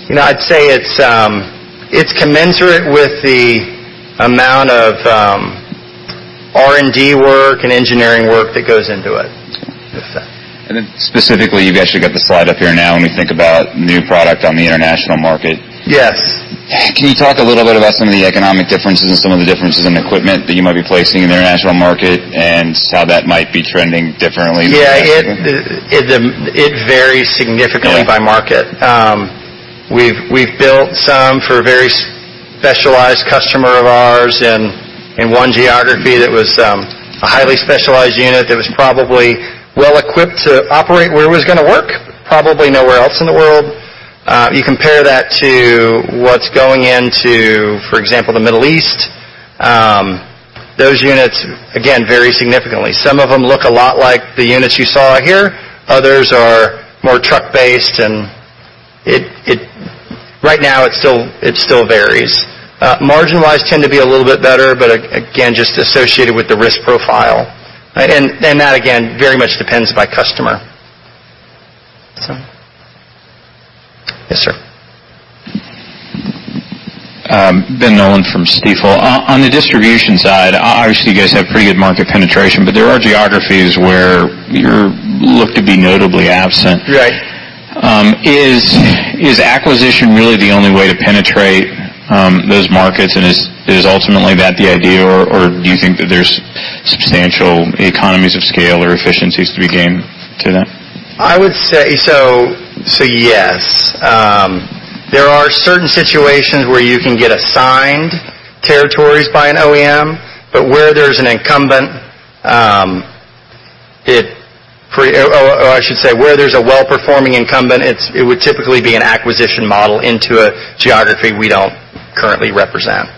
you know, I'd say it's, it's commensurate with the amount of R&D work and engineering work that goes into it. And then, specifically, you guys should get the slide up here now when we think about new product on the international market. Yes. Can you talk a little bit about some of the economic differences and some of the differences in equipment that you might be placing in the international market, and how that might be trending differently? Yeah, it varies significantly by market. We've built some for a very specialized customer of ours in one geography that was a highly specialized unit that was probably well equipped to operate where it was gonna work, probably nowhere else in the world. You compare that to what's going into, for example, the Middle East. Those units again vary significantly. Some of them look a lot like the units you saw here, others are more truck-based, and it right now still varies. Margin-wise, tend to be a little bit better, but again just associated with the risk profile. And that again very much depends by customer. So. Yes, sir. Ben Nolan from Stifel. On the distribution side, obviously, you guys have pretty good market penetration, but there are geographies where you're looked to be notably absent. Right. Is acquisition really the only way to penetrate those markets, and is ultimately that the idea, or do you think that there's substantial economies of scale or efficiencies to be gained to that? I would say so. So, yes. There are certain situations where you can get assigned territories by an OEM, but where there's an incumbent, I should say, where there's a well-performing incumbent, it would typically be an acquisition model into a geography we don't currently represent.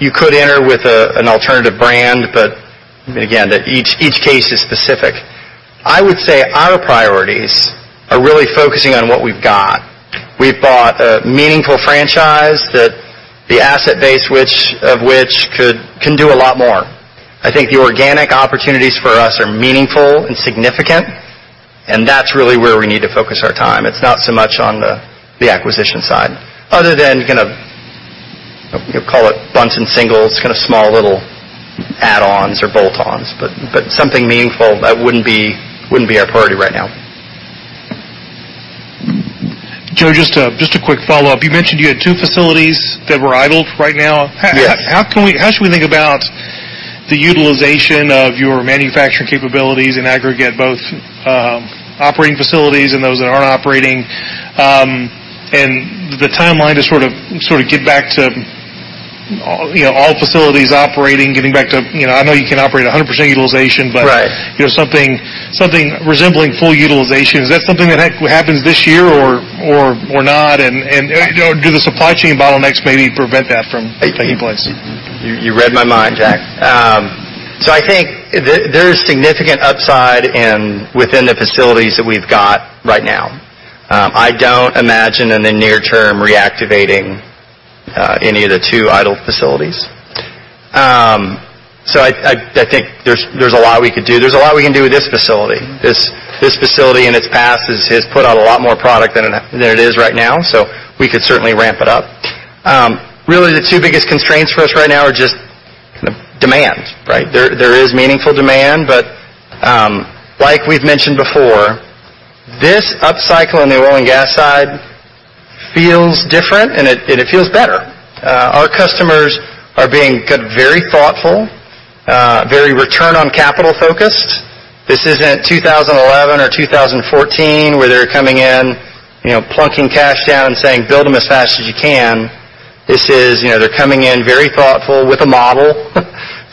You could enter with an alternative brand, but again, each case is specific. I would say our priorities are really focusing on what we've got. We've bought a meaningful franchise that the asset base, which, of which could, can do a lot more. I think the organic opportunities for us are meaningful and significant, and that's really where we need to focus our time. It's not so much on the acquisition side, other than kind of, call it bunts and singles, kind of small little add-ons or bolt-ons, but something meaningful that wouldn't be our priority right now. Joe, just a quick follow-up. You mentioned you had two facilities that were idled right now. Yes. How should we think about the utilization of your manufacturing capabilities in aggregate, both operating facilities and those that aren't operating, and the timeline to sort of get back to, you know, all facilities operating, getting back to, you know, I know you can operate 100% utilization, but you know, something, something resembling full utilization. Is that something that happens this year or not? And, you know, do the supply chain bottlenecks maybe prevent that from taking place? You read my mind, Jack. So I think there is significant upside within the facilities that we've got right now. I don't imagine in the near term reactivating any of the 2 idle facilities. So I think there's a lot we could do. There's a lot we can do with this facility. This facility in its past has put out a lot more product than it is right now, so we could certainly ramp it up. Really, the 2 biggest constraints for us right now are just kind of demand, right? There is meaningful demand, but like we've mentioned before, this upcycle on the oil and gas side feels different, and it feels better. Our customers are being very thoughtful, very return on capital focused. This isn't 2011 or 2014, where they're coming in, you know, plunking cash down and saying, "Build them as fast as you can." This is, you know, they're coming in very thoughtful with a model,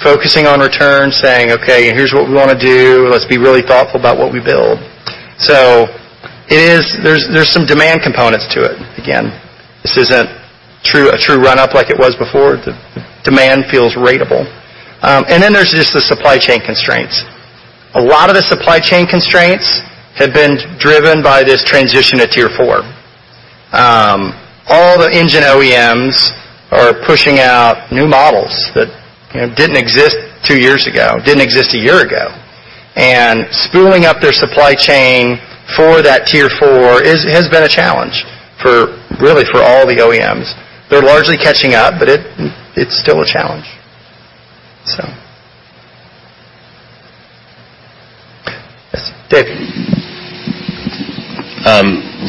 focusing on returns, saying, "Okay, here's what we wanna do. Let's be really thoughtful about what we build." So it is, there are some demand components to it. Again, this isn't a true run-up like it was before. The demand feels ratable. And then there's just the supply chain constraints. A lot of the supply chain constraints have been driven by this transition to Tier 4. All the engine OEMs are pushing out new models that, you know, didn't exist 2 years ago, didn't exist 1 year ago. And spooling up their supply chain for that Tier 4 has been a challenge for, really, for all the OEMs. They're largely catching up, but it, it's still a challenge.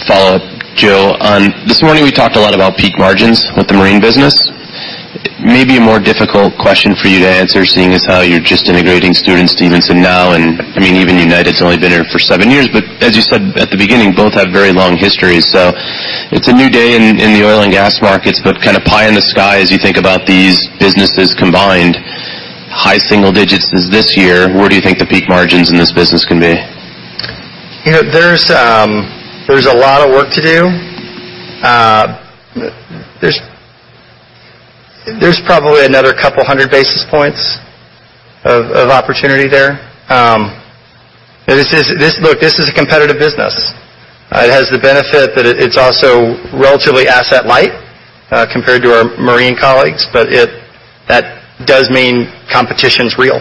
Follow up, Joe. On this morning, we talked a lot about peak margins with the marine business. Maybe a more difficult question for you to answer, seeing as how you're just integrating Stewart & Stevenson now, and, I mean, even United's only been in for seven years. But as you said at the beginning, both have very long histories. So it's a new day in the oil and gas markets, but kind of pie in the sky as you think about these businesses combined. High single digits is this year, where do you think the peak margins in this business can be? You know, there's a lot of work to do. There's probably another couple hundred basis points of opportunity there. Look, this is a competitive business. It has the benefit that it, it's also relatively asset light, compared to our marine colleagues, but that does mean competition's real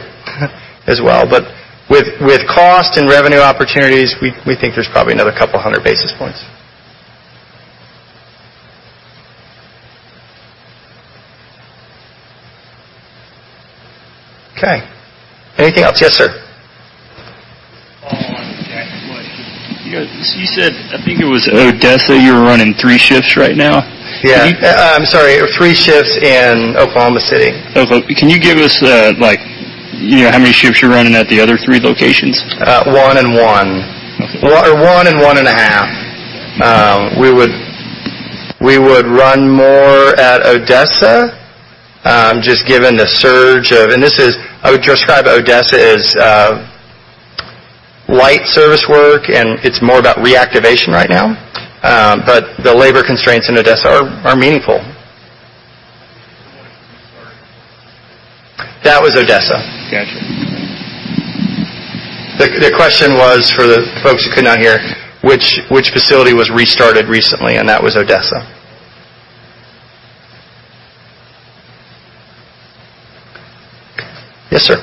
as well. But with cost and revenue opportunities, we think there's probably another couple hundred basis points. Okay. Anything else? Yes, sir. You know, you said, I think it was Odessa, you're running three shifts right now? Yeah. I'm sorry, three shifts in Oklahoma City. Okay. Can you give us the, like, you know, how many shifts you're running at the other three locations? 1 and 1. Okay. Or 1 and 1.5. We would, we would run more at Odessa, just given the surge of, and this is, I would describe Odessa as light service work, and it's more about reactivation right now. But the labor constraints in Odessa are, are meaningful. Which one was restarted? That was Odessa. Got you. The question was, for the folks who could not hear, which facility was restarted recently, and that was Odessa. Yes, sir.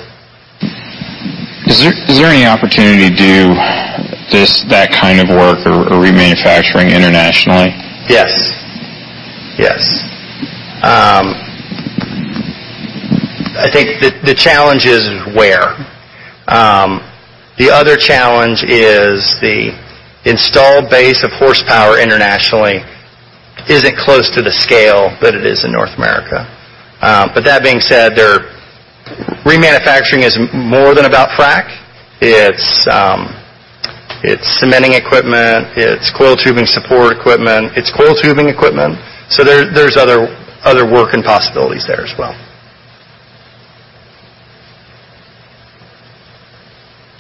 Is there any opportunity to do that kind of work or remanufacturing internationally? Yes. Yes. I think the challenge is where. The other challenge is the installed base of horsepower internationally isn't close to the scale, but it is in North America. But that being said, remanufacturing is more than about frac. It's, it's cementing equipment, it's coiled tubing support equipment, it's coiled tubing equipment. So there's other work and possibilities there as well.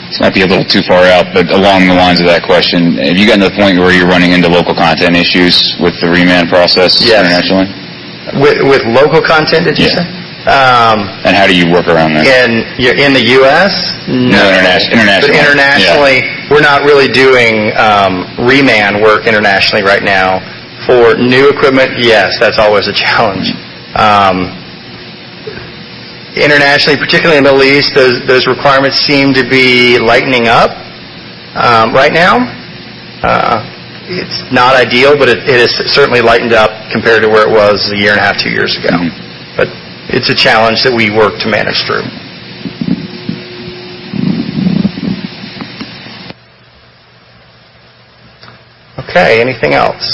This might be a little too far out, but along the lines of that question, have you gotten to the point where you're running into local content issues with the reman process internationally? With local content, did you say? Yeah. And how do you work around that? In the US? No, international. International. Internationally. Yeah. We're not really doing reman work internationally right now. For new equipment, yes, that's always a challenge. Internationally, particularly in the Middle East, those requirements seem to be lightening up. Right now, it's not ideal, but it has certainly lightened up compared to where it was a year and a half, two years ago. Mm-hmm. But it's a challenge that we work to manage through. Okay, anything else?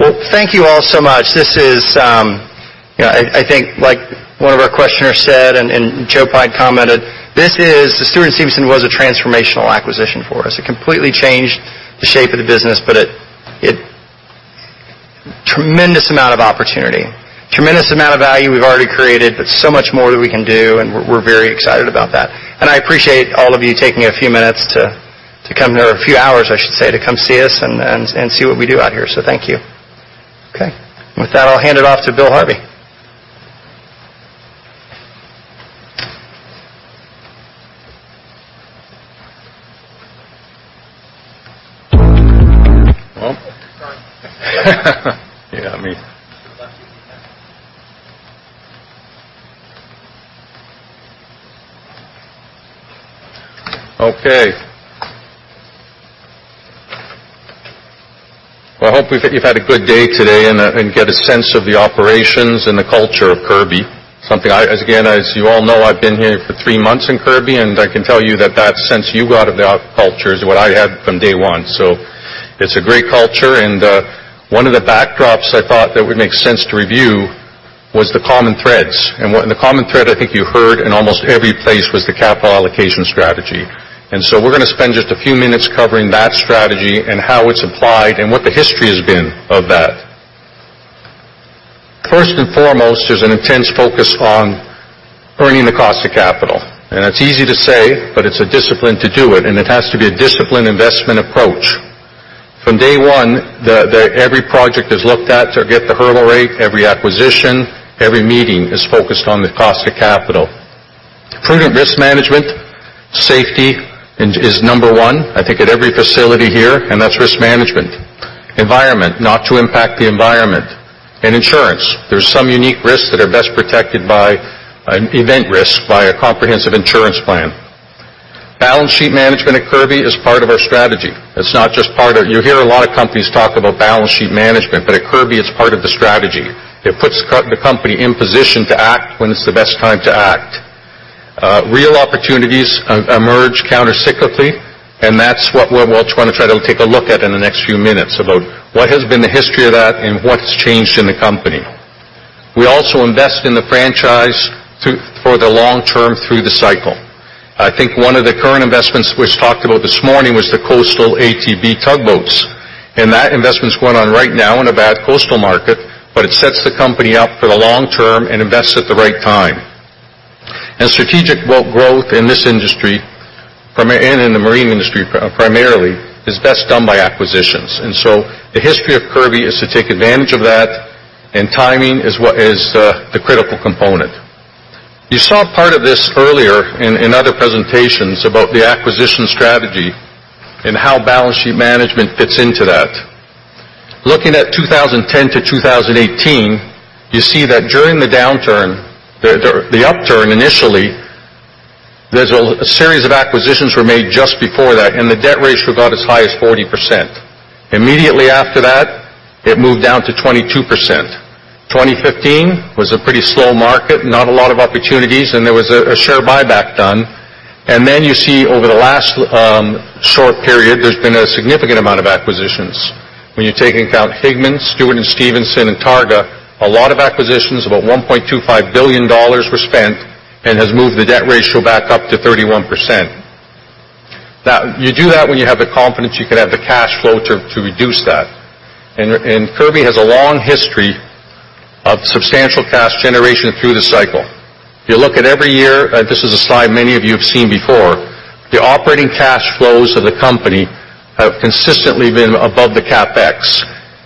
Well, thank you all so much. This is, you know, I think, like one of our questioners said, and Joe Pyne commented, this is the Stewart & Stevenson was a transformational acquisition for us. It completely changed the shape of the business, but, tremendous amount of opportunity, tremendous amount of value we've already created, but so much more that we can do, and we're very excited about that. And I appreciate all of you taking a few minutes to come here, a few hours, I should say, to come see us and see what we do out here. So thank you. Okay. With that, I'll hand it off to Bill Harvey. Well, yeah, I mean. Okay. Well, I hope you've had a good day today and get a sense of the operations and the culture of Kirby. Something I, as again, as you all know, I've been here for three months in Kirby, and I can tell you that that sense you got of the culture is what I had from day one. So it's a great culture, and one of the backdrops I thought that would make sense to review was the common threads. And the common thread I think you heard in almost every place was the capital allocation strategy. And so we're gonna spend just a few minutes covering that strategy and how it's applied and what the history has been of that. First and foremost, there's an intense focus on earning the cost of capital. And it's easy to say, but it's a discipline to do it, and it has to be a disciplined investment approach. From day one, every project is looked at to get the hurdle rate, every acquisition, every meeting is focused on the cost of capital. Prudent risk management, safety is number one, I think, at every facility here, and that's risk management. Environment, not to impact the environment. And insurance, there's some unique risks that are best protected by an event risk, by a comprehensive insurance plan. Balance sheet management at Kirby is part of our strategy. It's not just part of. You hear a lot of companies talk about balance sheet management, but at Kirby, it's part of the strategy. It puts the company in position to act when it's the best time to act. Real opportunities emerge countercyclically, and that's what we're trying to take a look at in the next few minutes, about what has been the history of that and what's changed in the company. We also invest in the franchise for the long term through the cycle. I think one of the current investments which talked about this morning was the coastal ATB tugboats, and that investment's going on right now in a bad coastal market, but it sets the company up for the long term and invests at the right time. Strategic growth in this industry and in the marine industry primarily, is best done by acquisitions. So the history of Kirby is to take advantage of that, and timing is what is the critical component. You saw part of this earlier in other presentations about the acquisition strategy and how balance sheet management fits into that. Looking at 2010 to 2018, you see that during the downturn, the upturn initially, there's a series of acquisitions were made just before that, and the debt ratio got as high as 40%. Immediately after that, it moved down to 22%. 2015 was a pretty slow market, not a lot of opportunities, and there was a share buyback done. And then you see over the last short period, there's been a significant amount of acquisitions. When you take into account Higman, Stewart & Stevenson, and Targa, a lot of acquisitions, about $1.25 billion were spent and has moved the debt ratio back up to 31%. Now, you do that when you have the confidence, you can have the cash flow to, to reduce that. And, and Kirby has a long history of substantial cash generation through the cycle. If you look at every year, this is a slide many of you have seen before, the operating cash flows of the company have consistently been above the CapEx,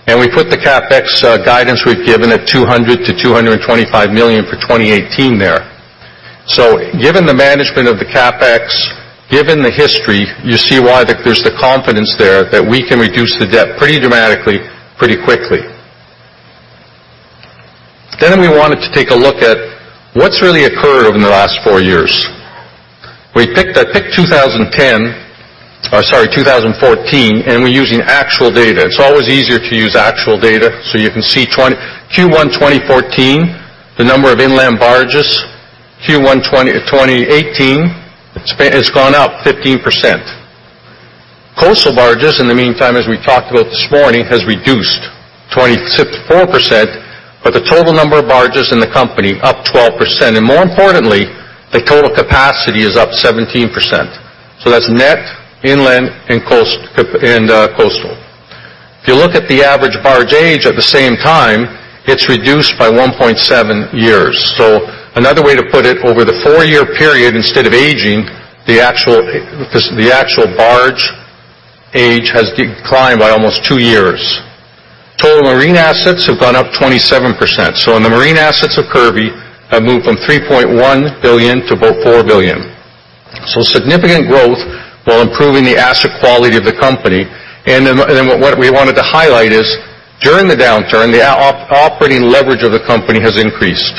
and we put the CapEx guidance we've given at $200 million-$225 million for 2018 there. So given the management of the CapEx, given the history, you see why there's the confidence there that we can reduce the debt pretty dramatically, pretty quickly. Then we wanted to take a look at what's really occurred over the last four years. I picked 2010, sorry, 2014, and we're using actual data. It's always easier to use actual data, so you can see Q1 2014, the number of inland barges, Q1 2018, it's gone up 15%. Coastal barges, in the meantime, as we talked about this morning, has reduced 24%, but the total number of barges in the company up 12%. And more importantly, the total capacity is up 17%. So that's net, inland, and coastal. If you look at the average barge age at the same time, it's reduced by 1.7 years. So another way to put it, over the four-year period, instead of aging, the actual barge age has declined by almost two years. Total marine assets have gone up 27%, so the marine assets of Kirby have moved from $3.1 billion to about $4 billion. So significant growth while improving the asset quality of the company. And then what we wanted to highlight is during the downturn, the operating leverage of the company has increased.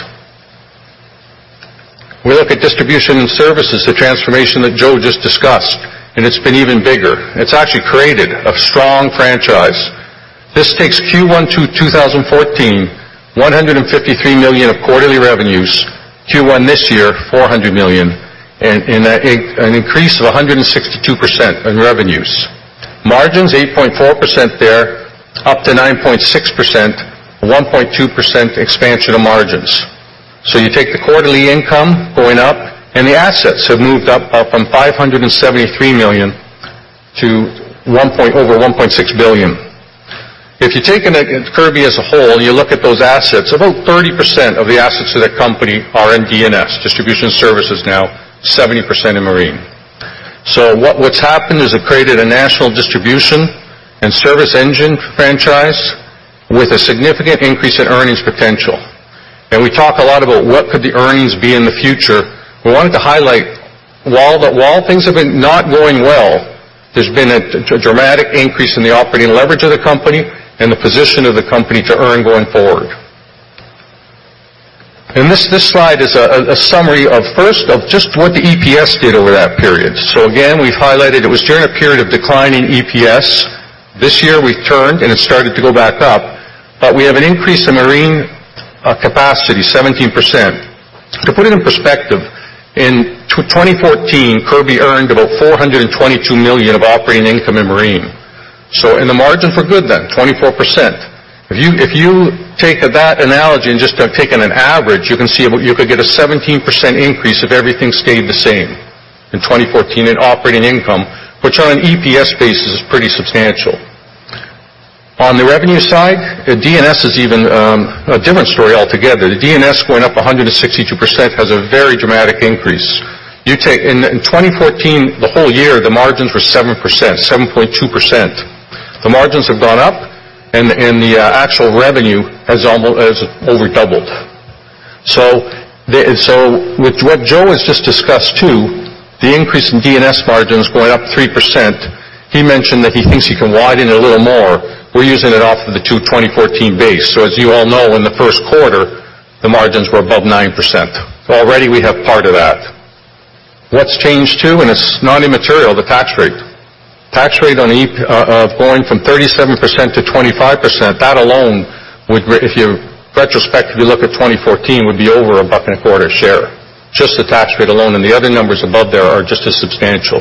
We look at distribution and services, the transformation that Joe just discussed, and it's been even bigger. It's actually created a strong franchise. This takes Q1 2014, $153 million of quarterly revenues, Q1 this year, $400 million, and an increase of 162% in revenues. Margins, 8.4% there, up to 9.6%, 1.2% expansion of margins. So you take the quarterly income going up, and the assets have moved up from $573 million to over $1.6 billion. If you're taking it Kirby as a whole, you look at those assets, about 30% of the assets of that company are in D&S, distribution and services now, 70% in marine. So what's happened is it created a national distribution and service engine franchise with a significant increase in earnings potential. And we talk a lot about what could the earnings be in the future. We wanted to highlight, while things have been not going well, there's been a dramatic increase in the operating leverage of the company and the position of the company to earn going forward. And this slide is a summary of just what the EPS did over that period. So again, we've highlighted it was during a period of declining EPS. This year, we turned, and it started to go back up, but we have an increase in marine capacity, 17%. To put it in perspective, in 2014, Kirby earned about $422 million of operating income in marine. So and the margin for good then, 24%. If you take that analogy and just have taken an average, you could get a 17% increase if everything stayed the same in 2014 in operating income, which on an EPS basis, is pretty substantial. On the revenue side, the D&S is even a different story altogether. The D&S going up 162% has a very dramatic increase. You take in 2014, the whole year, the margins were 7%, 7.2%. The margins have gone up, and the actual revenue has almost over doubled. So with what Joe has just discussed, too, the increase in D&S margins going up 3%, he mentioned that he thinks he can widen it a little more. We're using it off of the 2014 base. So as you all know, in the first quarter, the margins were above 9%. Already, we have part of that. What's changed, too, and it's not immaterial, the tax rate going from 37% to 25%, that alone would be if you retrospectively look at 2014, would be over $1.25 a share, just the tax rate alone, and the other numbers above there are just as substantial.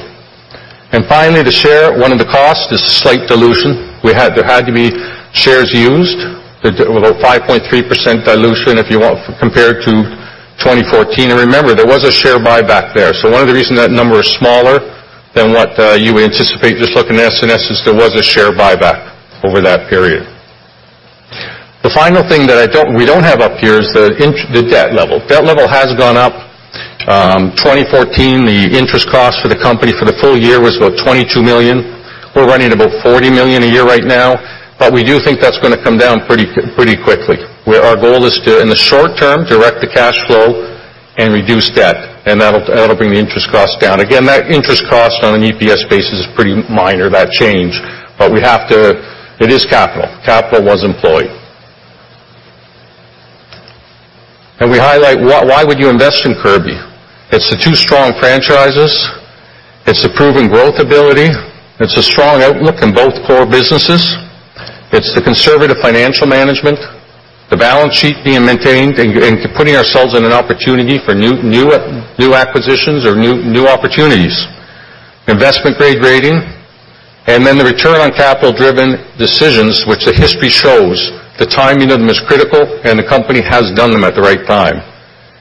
And finally, the share, one of the costs is slight dilution. There had to be shares used, about 5.3% dilution, if you want, compared to 2014. And remember, there was a share buyback there. So one of the reasons that number is smaller than what you would anticipate, just looking at S&S is there was a share buyback over that period. The final thing that we don't have up here is the debt level. Debt level has gone up. 2014, the interest cost for the company for the full year was about $22 million. We're running about $40 million a year right now, but we do think that's gonna come down pretty, pretty quickly, where our goal is to, in the short term, direct the cash flow and reduce debt, and that'll, that'll bring the interest costs down. Again, that interest cost on an EPS basis is pretty minor, that change, but it is capital. Capital was employed. And we highlight why, why would you invest in Kirby? It's the two strong franchises, it's the proven growth ability, it's a strong outlook in both core businesses, it's the conservative financial management, the balance sheet being maintained and, and putting ourselves in an opportunity for new acquisitions or new opportunities. Investment-grade rating, and then the return on capital-driven decisions, which the history shows the timing of them is critical and the company has done them at the right time.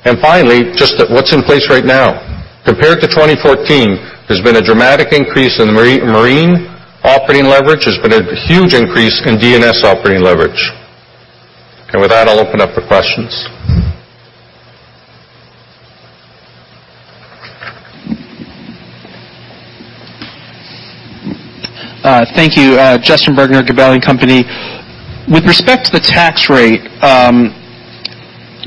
And finally, just what's in place right now. Compared to 2014, there's been a dramatic increase in marine, marine operating leverage. There's been a huge increase in D&S operating leverage. And with that, I'll open up for questions. Thank you. Justin Bergner, Gabelli Company. With respect to the tax rate,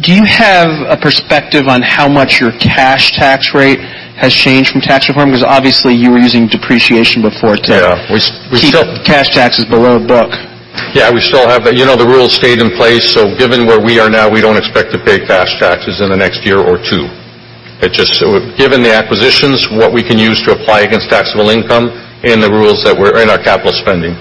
do you have a perspective on how much your cash tax rate has changed from tax reform? Because obviously, you were using depreciation before to keep cash taxes below book. Yeah, we still have, you know, the rules stayed in place, so given where we are now, we don't expect to pay cash taxes in the next year or two. It just so given the acquisitions, what we can use to apply against taxable income and the rules that were in our capital spending.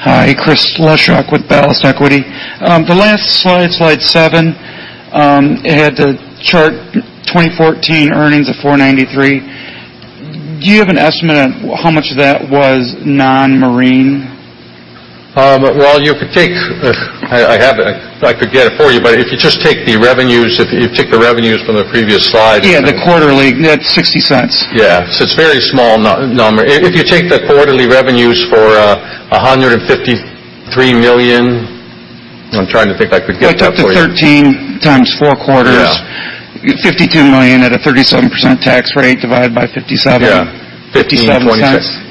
Hi, Chris Leshock with Ballast Equity. The last slide, slide 7, it had the chart 2014 earnings of $4.93. Do you have an estimate on how much of that was non-marine? Well, you could take, if I, I have it, I could get it for you, but if you just take the revenues, if you take the revenues from the previous slide- Yeah, the quarterly, that's $0.60. Yeah. So it's a very small number. If you take the quarterly revenues for $153 million. I'm trying to think if I could get that for you. If you took the 13 times 4 quarters- Yeah. $52 million at a 37% tax rate, divided by $0.57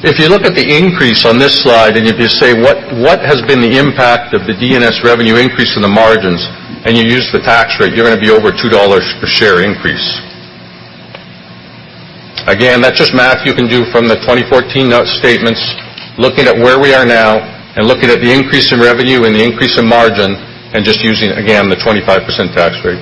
If you look at the increase on this slide, and if you say, "What, what has been the impact of the D&S revenue increase on the margins?" you use the tax rate, you're gonna be over $2 per share increase. Again, that's just math you can do from the 2014 note statements, looking at where we are now and looking at the increase in revenue and the increase in margin, and just using, again, the 25% tax rate.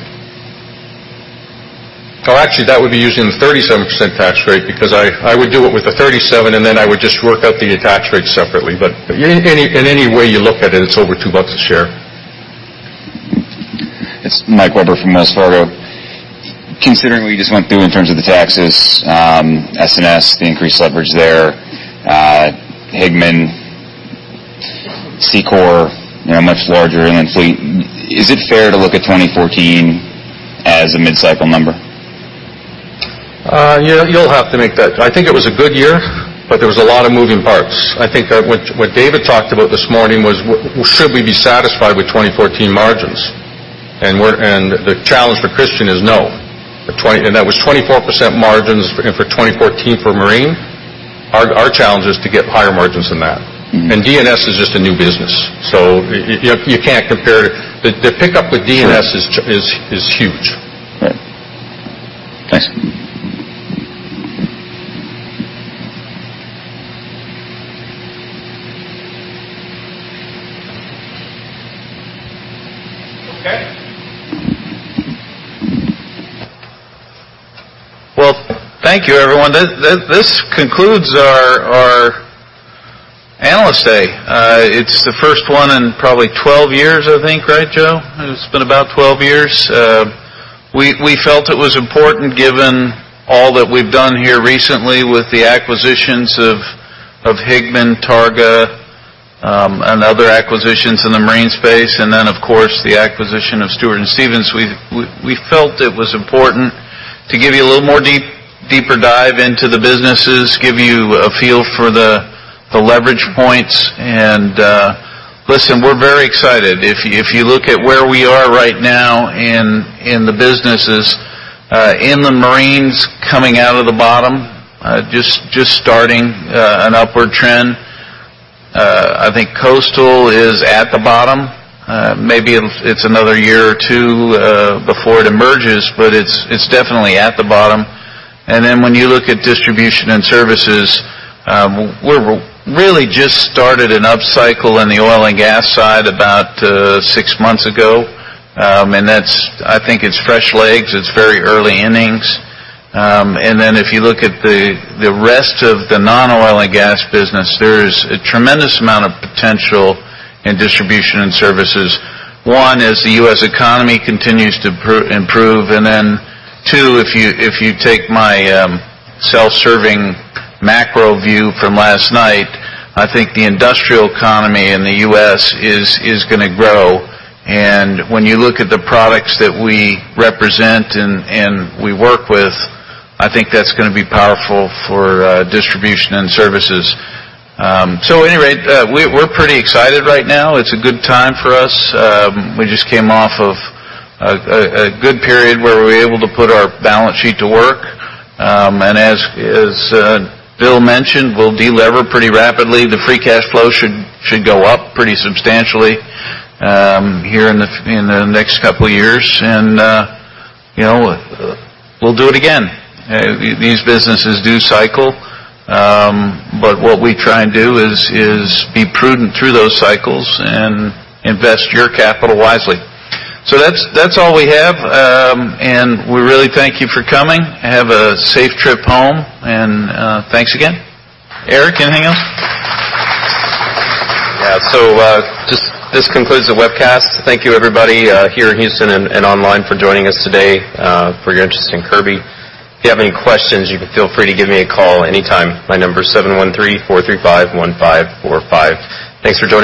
Oh, actually, that would be using the 37% tax rate, because I, I would do it with the 37%, and then I would just work out the tax rate separately. But any, any way you look at it, it's over $2 a share. It's Mike Webber from Wells Fargo. Considering what you just went through in terms of the taxes, S&S, the increased leverage there, Higman, Seacor, you know, much larger in fleet, is it fair to look at 2014 as a mid-cycle number? Yeah, you'll have to make that. I think it was a good year, but there was a lot of moving parts. I think that what David talked about this morning was, should we be satisfied with 2014 margins? And the challenge for Christian is no. And that was 24% margins for, and for 2014 for Marine, our, our challenge is to get higher margins than that. Mm-hmm. D&S is just a new business, so you can't compare it. The pickup with D&S is huge. Right. Thanks. Okay. Well, thank you, everyone. This concludes our Analyst Day. It's the first one in probably 12 years, I think, right, Joe? It's been about 12 years. We felt it was important, given all that we've done here recently with the acquisitions of Higman, Targa, and other acquisitions in the marine space, and then, of course, the acquisition of Stewart & Stevenson. We felt it was important to give you a little more deeper dive into the businesses, give you a feel for the leverage points. And, listen, we're very excited. If you look at where we are right now in the businesses, in the marines, coming out of the bottom, just starting an upward trend. I think coastal is at the bottom. Maybe it's another year or two before it emerges, but it's definitely at the bottom. And then, when you look at distribution and services, we're really just started an upcycle in the oil and gas side about six months ago. And I think it's fresh legs. It's very early innings. And then, if you look at the rest of the non-oil and gas business, there is a tremendous amount of potential in distribution and services. One, as the U.S. economy continues to improve, and then, two, if you take my self-serving macro view from last night, I think the industrial economy in the U.S. is gonna grow. And when you look at the products that we represent and we work with, I think that's gonna be powerful for distribution and services. So at any rate, we're pretty excited right now. It's a good time for us. We just came off of a good period where we were able to put our balance sheet to work. And as Bill mentioned, we'll delever pretty rapidly. The free cash flow should go up pretty substantially here in the next couple of years. And you know, we'll do it again. These businesses do cycle, but what we try and do is be prudent through those cycles and invest your capital wisely. So that's all we have, and we really thank you for coming, and have a safe trip home, and thanks again. Eric, anything else? Yeah. So, this concludes the webcast. Thank you, everybody, here in Houston and online, for joining us today, for your interest in Kirby. If you have any questions, you can feel free to give me a call anytime. My number is 713-435-1545. Thanks for joining us.